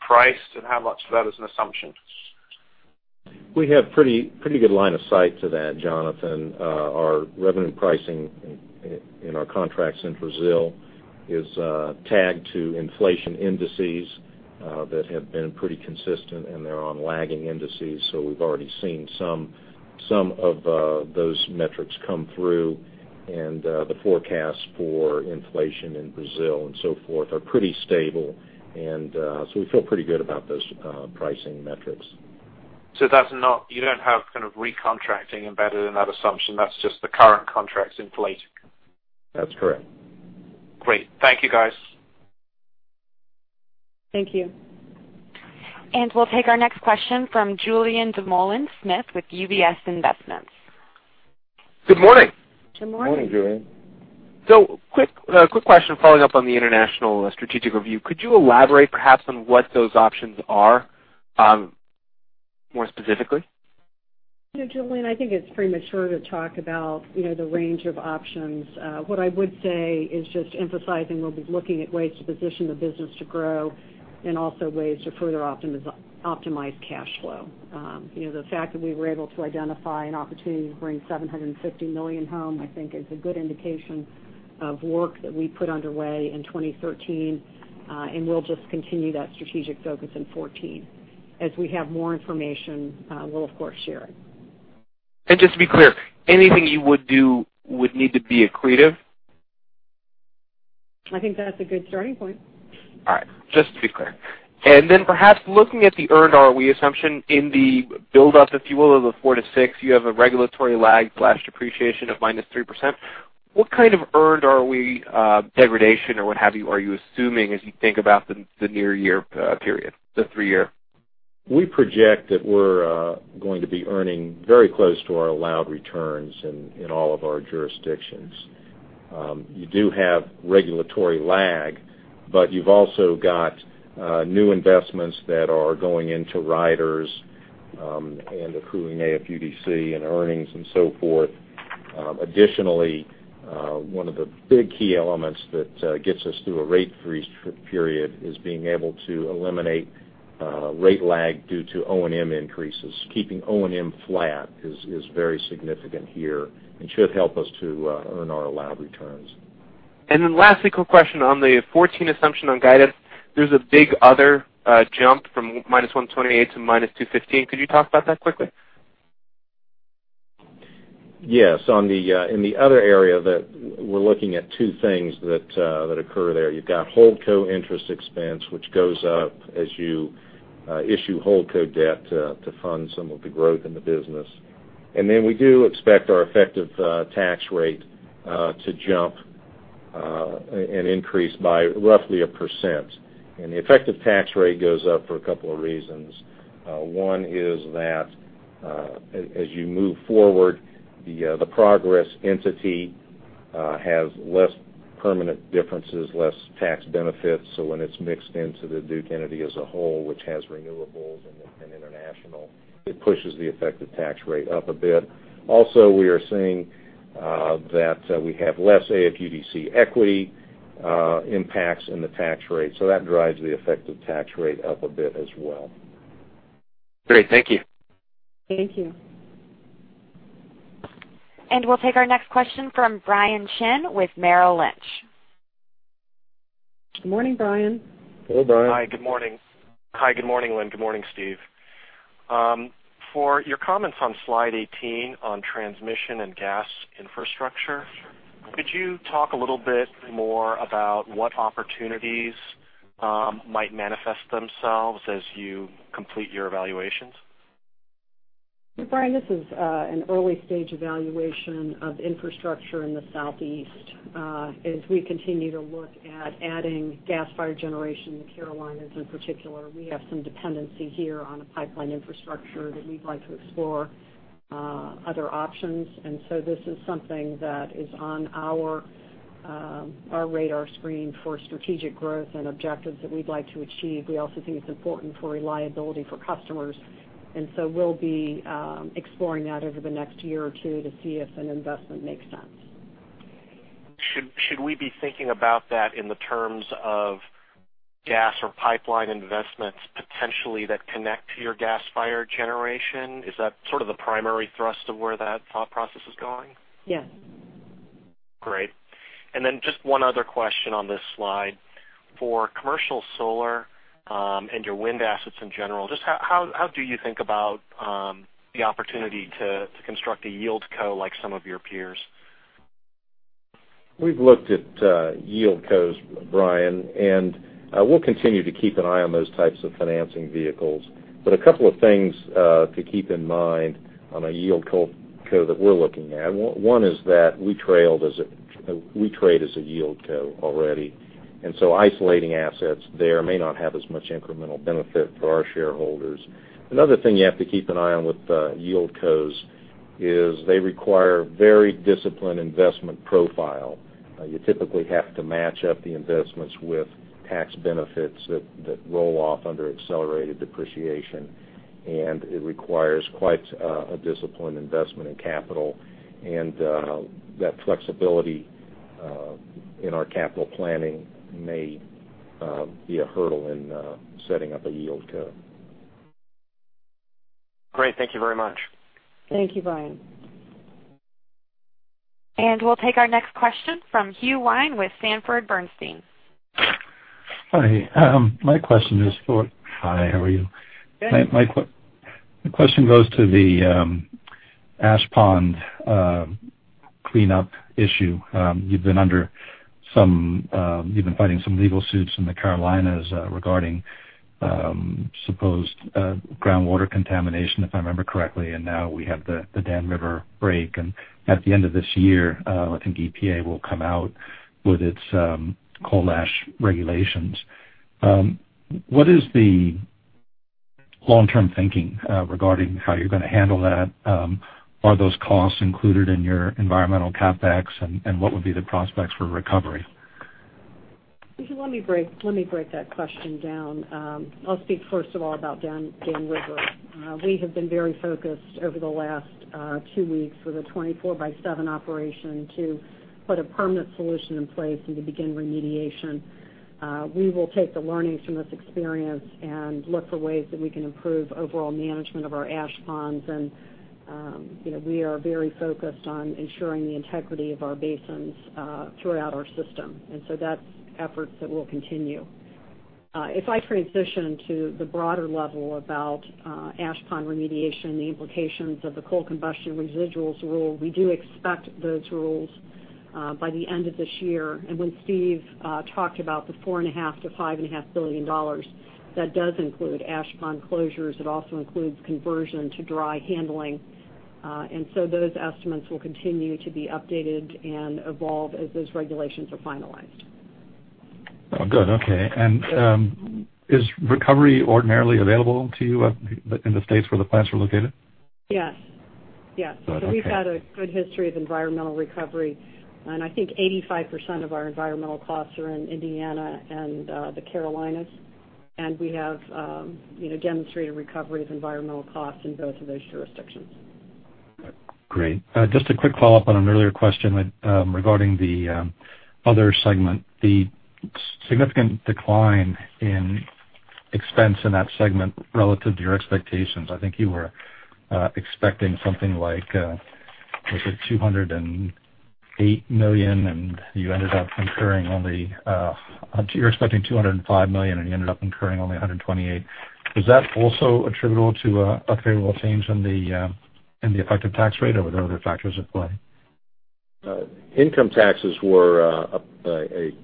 [SPEAKER 7] priced, and how much of that is an assumption?
[SPEAKER 4] We have pretty good line of sight to that, Jonathan. Our revenue pricing in our contracts in Brazil is tagged to inflation indices that have been pretty consistent, and they're on lagging indices. We've already seen some of those metrics come through. The forecast for inflation in Brazil and so forth are pretty stable. We feel pretty good about those pricing metrics.
[SPEAKER 7] You don't have kind of recontracting embedded in that assumption. That's just the current contracts inflating.
[SPEAKER 4] That's correct.
[SPEAKER 7] Great. Thank you, guys.
[SPEAKER 3] Thank you.
[SPEAKER 1] We'll take our next question from Julien Dumoulin-Smith with UBS Investments.
[SPEAKER 8] Good morning.
[SPEAKER 3] Good morning.
[SPEAKER 4] Morning, Julien.
[SPEAKER 8] Quick question following up on the international strategic review. Could you elaborate perhaps on what those options are more specifically?
[SPEAKER 3] Yeah, Julien, I think it's premature to talk about the range of options. What I would say is just emphasizing, we'll be looking at ways to position the business to grow and also ways to further optimize cash flow. The fact that we were able to identify an opportunity to bring $750 million home, I think, is a good indication of work that we put underway in 2013. We'll just continue that strategic focus in 2014. As we have more information, we'll, of course, share it.
[SPEAKER 8] Just to be clear, anything you would do would need to be accretive?
[SPEAKER 3] I think that's a good starting point.
[SPEAKER 8] All right. Just to be clear. Then perhaps looking at the earned ROE assumption in the buildup, if you will, of the four to six, you have a regulatory lag/depreciation of -3%. What kind of earned ROE degradation, or what have you, are you assuming as you think about the near year period, the three-year?
[SPEAKER 4] We project that we're going to be earning very close to our allowed returns in all of our jurisdictions. You do have regulatory lag, but you've also got new investments that are going into riders, and accruing AFUDC, and earnings and so forth. Additionally, one of the big key elements that gets us through a rate freeze period is being able to eliminate rate lag due to O&M increases. Keeping O&M flat is very significant here and should help us to earn our allowed returns.
[SPEAKER 8] Lastly, quick question on the 2014 assumption on guidance. There's a big other jump from -$128 to -$215. Could you talk about that quickly?
[SPEAKER 4] Yes. In the other area that we're looking at two things that occur there. You've got holdco interest expense, which goes up as you issue holdco debt to fund some of the growth in the business. We do expect our effective tax rate to jump and increase by roughly 1%. The effective tax rate goes up for a couple of reasons. One is that as you move forward, the Progress entity has less permanent differences, less tax benefits. When it's mixed into the Duke Energy as a whole, which has renewables and international, it pushes the effective tax rate up a bit. Also, we are seeing that we have less AFUDC equity impacts in the tax rate, so that drives the effective tax rate up a bit as well.
[SPEAKER 8] Great. Thank you.
[SPEAKER 3] Thank you.
[SPEAKER 1] We'll take our next question from Brian Chin with Merrill Lynch.
[SPEAKER 3] Morning, Brian.
[SPEAKER 4] Hello, Brian.
[SPEAKER 9] Hi. Good morning, Lynn. Good morning, Steve. For your comments on slide 18 on transmission and gas infrastructure, could you talk a little bit more about what opportunities might manifest themselves as you complete your evaluations?
[SPEAKER 3] Brian, this is an early-stage evaluation of infrastructure in the Southeast. As we continue to look at adding gas-fired generation in the Carolinas in particular, we have some dependency here on a pipeline infrastructure that we'd like to explore other options. This is something that is on our radar screen for strategic growth and objectives that we'd like to achieve. We also think it's important for reliability for customers, we'll be exploring that over the next year or two to see if an investment makes sense.
[SPEAKER 9] Should we be thinking about that in the terms of gas or pipeline investments potentially that connect to your gas-fired generation? Is that sort of the primary thrust of where that thought process is going?
[SPEAKER 3] Yes.
[SPEAKER 9] Great. Just one other question on this slide. For commercial solar and your wind assets in general, just how do you think about the opportunity to construct a yieldco like some of your peers?
[SPEAKER 4] We've looked at yieldcos, Brian, we'll continue to keep an eye on those types of financing vehicles. A couple of things to keep in mind on a yieldco that we're looking at. One is that we trade as a yieldco already, isolating assets there may not have as much incremental benefit for our shareholders. Another thing you have to keep an eye on with yieldcos is they require very disciplined investment profile. You typically have to match up the investments with tax benefits that roll off under accelerated depreciation, it requires quite a disciplined investment in capital. That flexibility in our capital planning may be a hurdle in setting up a yieldco.
[SPEAKER 9] Great. Thank you very much.
[SPEAKER 3] Thank you, Brian.
[SPEAKER 1] We'll take our next question from Hugh Wynne with Sanford C. Bernstein.
[SPEAKER 10] Hi. My question is hi, how are you?
[SPEAKER 3] Good.
[SPEAKER 10] My question goes to the ash pond cleanup issue. You've been fighting some legal suits in the Carolinas regarding supposed groundwater contamination, if I remember correctly, and now we have the Dan River break. At the end of this year, I think EPA will come out with its coal ash regulations. What is the long-term thinking regarding how you're going to handle that? Are those costs included in your environmental CapEx, and what would be the prospects for recovery?
[SPEAKER 3] Hugh, let me break that question down. I'll speak first of all about Dan River. We have been very focused over the last two weeks with a 24 by seven operation to put a permanent solution in place and to begin remediation. We will take the learnings from this experience and look for ways that we can improve overall management of our ash ponds. We are very focused on ensuring the integrity of our basins throughout our system. So that's efforts that will continue. If I transition to the broader level about ash pond remediation, the implications of the coal combustion residuals rule, we do expect those rules by the end of this year. When Steve talked about the $4.5 billion-$5.5 billion, that does include ash pond closures. It also includes conversion to dry handling. So those estimates will continue to be updated and evolve as those regulations are finalized.
[SPEAKER 10] Oh, good. Okay. Is recovery ordinarily available to you in the states where the plants are located?
[SPEAKER 3] Yes.
[SPEAKER 10] Okay.
[SPEAKER 3] We've had a good history of environmental recovery, I think 85% of our environmental costs are in Indiana and the Carolinas. We have demonstrated recovery of environmental costs in both of those jurisdictions.
[SPEAKER 10] Great. Just a quick follow-up on an earlier question regarding the other segment, the significant decline in expense in that segment relative to your expectations. I think you were expecting something like, was it $208 million, and you ended up incurring only $205 million, and you ended up incurring only $128 million. Is that also attributable to a favorable change in the effective tax rate, or were there other factors at play?
[SPEAKER 4] Income taxes were a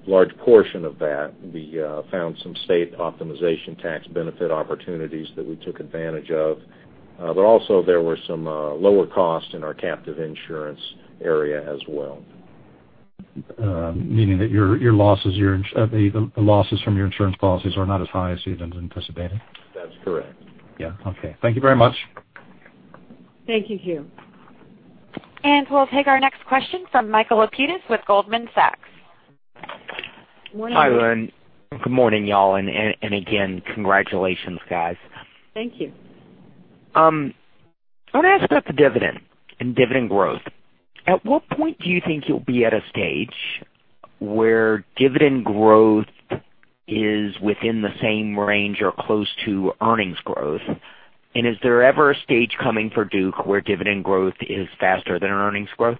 [SPEAKER 4] large portion of that. We found some state optimization tax benefit opportunities that we took advantage of. Also there were some lower costs in our captive insurance area as well.
[SPEAKER 10] Meaning that the losses from your insurance policies are not as high as you had been anticipating?
[SPEAKER 4] That's correct.
[SPEAKER 10] Yeah. Okay. Thank you very much.
[SPEAKER 3] Thank you, Hugh.
[SPEAKER 1] We'll take our next question from Michael Lapides with Goldman Sachs.
[SPEAKER 3] Morning, Mike.
[SPEAKER 11] Hi, Lynn. Good morning, y'all. Again, congratulations, guys.
[SPEAKER 3] Thank you.
[SPEAKER 11] I want to ask about the dividend and dividend growth. At what point do you think you'll be at a stage where dividend growth is within the same range or close to earnings growth? Is there ever a stage coming for Duke where dividend growth is faster than earnings growth?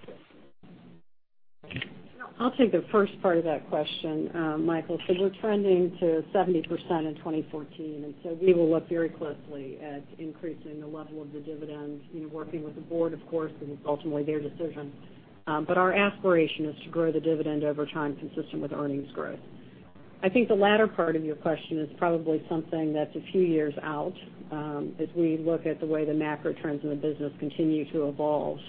[SPEAKER 3] I'll take the first part of that question, Michael. We're trending to 70% in 2014. We will look very closely at increasing the level of the dividend, working with the board, of course, because it's ultimately their decision. Our aspiration is to grow the dividend over time consistent with earnings growth. I think the latter part of your question is probably something that's a few years out as we look at the way the macro trends in the business continue to evolve.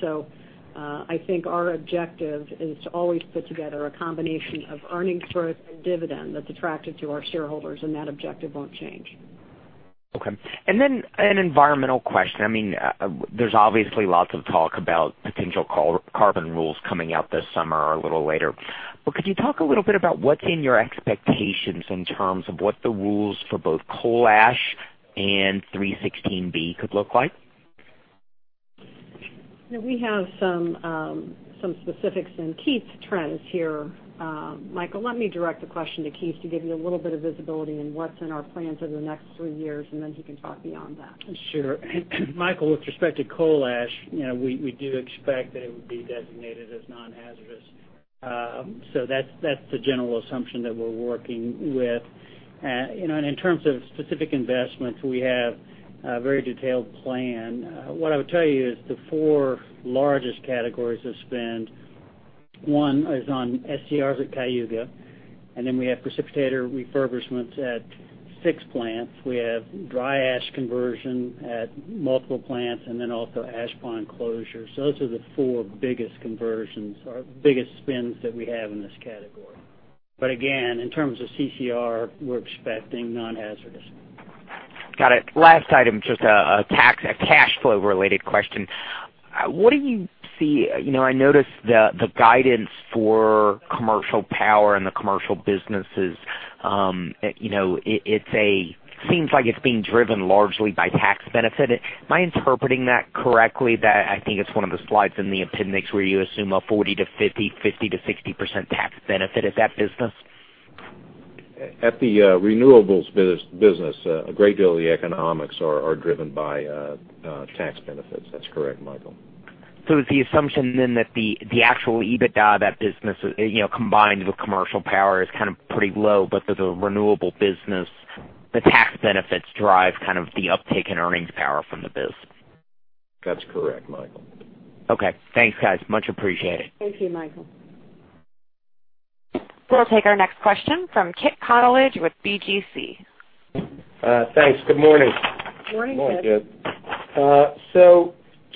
[SPEAKER 3] I think our objective is to always put together a combination of earnings growth and dividend that's attractive to our shareholders, and that objective won't change.
[SPEAKER 11] Okay. An environmental question. There's obviously lots of talk about potential carbon rules coming out this summer or a little later. Could you talk a little bit about what's in your expectations in terms of what the rules for both coal ash and 316 could look like?
[SPEAKER 3] We have some specifics in Keith Trent here, Michael. Let me direct the question to Keith to give you a little bit of visibility in what's in our plans over the next three years, he can talk beyond that.
[SPEAKER 12] Sure. Michael, with respect to coal ash, we do expect that it would be designated as non-hazardous. That's the general assumption that we're working with. In terms of specific investments, we have a very detailed plan. What I would tell you is the 4 largest categories of spend. One is on SCRs at Cayuga. We have precipitator refurbishment at six plants. We have dry ash conversion at multiple plants, also ash pond closures. Those are the four biggest conversions or biggest spends that we have in this category. Again, in terms of CCR, we're expecting non-hazardous.
[SPEAKER 11] Got it. Last item, just a cash flow-related question. I noticed the guidance for commercial power and the commercial businesses seems like it's being driven largely by tax benefit. Am I interpreting that correctly? I think it's one of the slides in the appendix where you assume a 40%-50%, 50%-60% tax benefit of that business.
[SPEAKER 4] At the renewables business, a great deal of the economics are driven by tax benefits. That's correct, Michael.
[SPEAKER 11] Is the assumption then that the actual EBITDA of that business, combined with commercial power, is kind of pretty low, but for the renewable business, the tax benefits drive the uptake in earnings power from the business?
[SPEAKER 4] That's correct, Michael.
[SPEAKER 11] Okay. Thanks, guys. Much appreciated.
[SPEAKER 3] Thank you, Michael.
[SPEAKER 1] We'll take our next question from Kit Konolige with BGC.
[SPEAKER 13] Thanks. Good morning.
[SPEAKER 3] Morning, Kit.
[SPEAKER 4] Morning, Kit.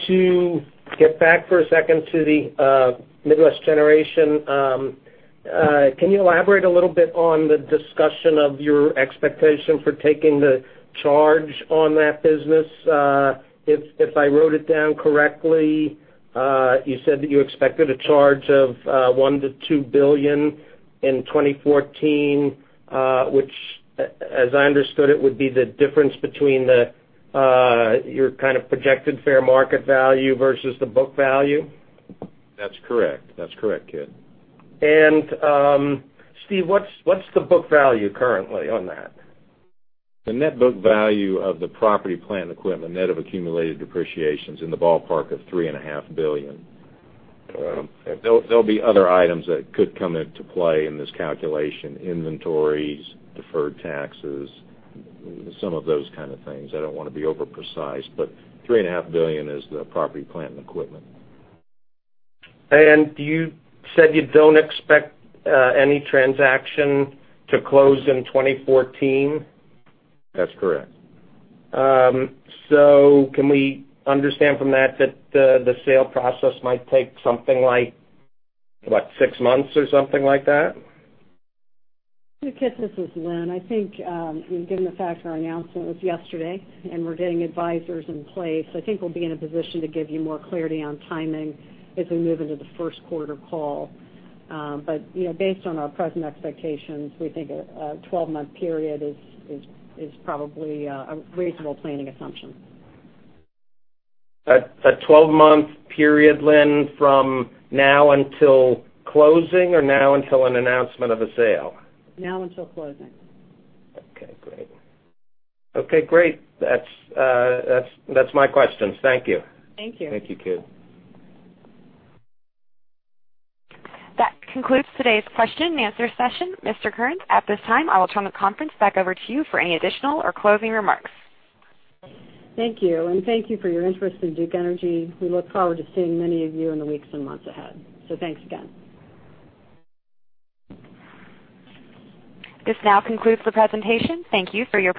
[SPEAKER 13] To get back for a second to the Midwest Generation, can you elaborate a little bit on the discussion of your expectation for taking the charge on that business? If I wrote it down correctly, you said that you expected a charge of $1 billion-$2 billion in 2014, which, as I understood it, would be the difference between your kind of projected fair market value versus the book value?
[SPEAKER 4] That's correct, Kit.
[SPEAKER 13] Steve, what's the book value currently on that?
[SPEAKER 4] The net book value of the property plant equipment, net of accumulated depreciation's in the ballpark of $3.5 billion. There'll be other items that could come into play in this calculation: inventories, deferred taxes, some of those kind of things. I don't want to be over-precise, but $3.5 billion is the property, plant, and equipment.
[SPEAKER 13] You said you don't expect any transaction to close in 2014?
[SPEAKER 4] That's correct.
[SPEAKER 13] Can we understand from that the sale process might take something like what, six months or something like that?
[SPEAKER 3] Kit, this is Lynn. I think, given the fact of our announcement was yesterday, and we're getting advisors in place, I think we'll be in a position to give you more clarity on timing as we move into the first quarter call. Based on our present expectations, we think a 12-month period is probably a reasonable planning assumption.
[SPEAKER 13] A 12-month period, Lynn, from now until closing or now until an announcement of a sale?
[SPEAKER 3] Now until closing.
[SPEAKER 13] Okay, great. Okay, great. That's my questions. Thank you.
[SPEAKER 3] Thank you.
[SPEAKER 4] Thank you, Kit.
[SPEAKER 1] That concludes today's question and answer session. Mr. Kearns, at this time, I will turn the conference back over to you for any additional or closing remarks.
[SPEAKER 3] Thank you, and thank you for your interest in Duke Energy. We look forward to seeing many of you in the weeks and months ahead. Thanks again.
[SPEAKER 1] This now concludes the presentation. Thank you for your participation.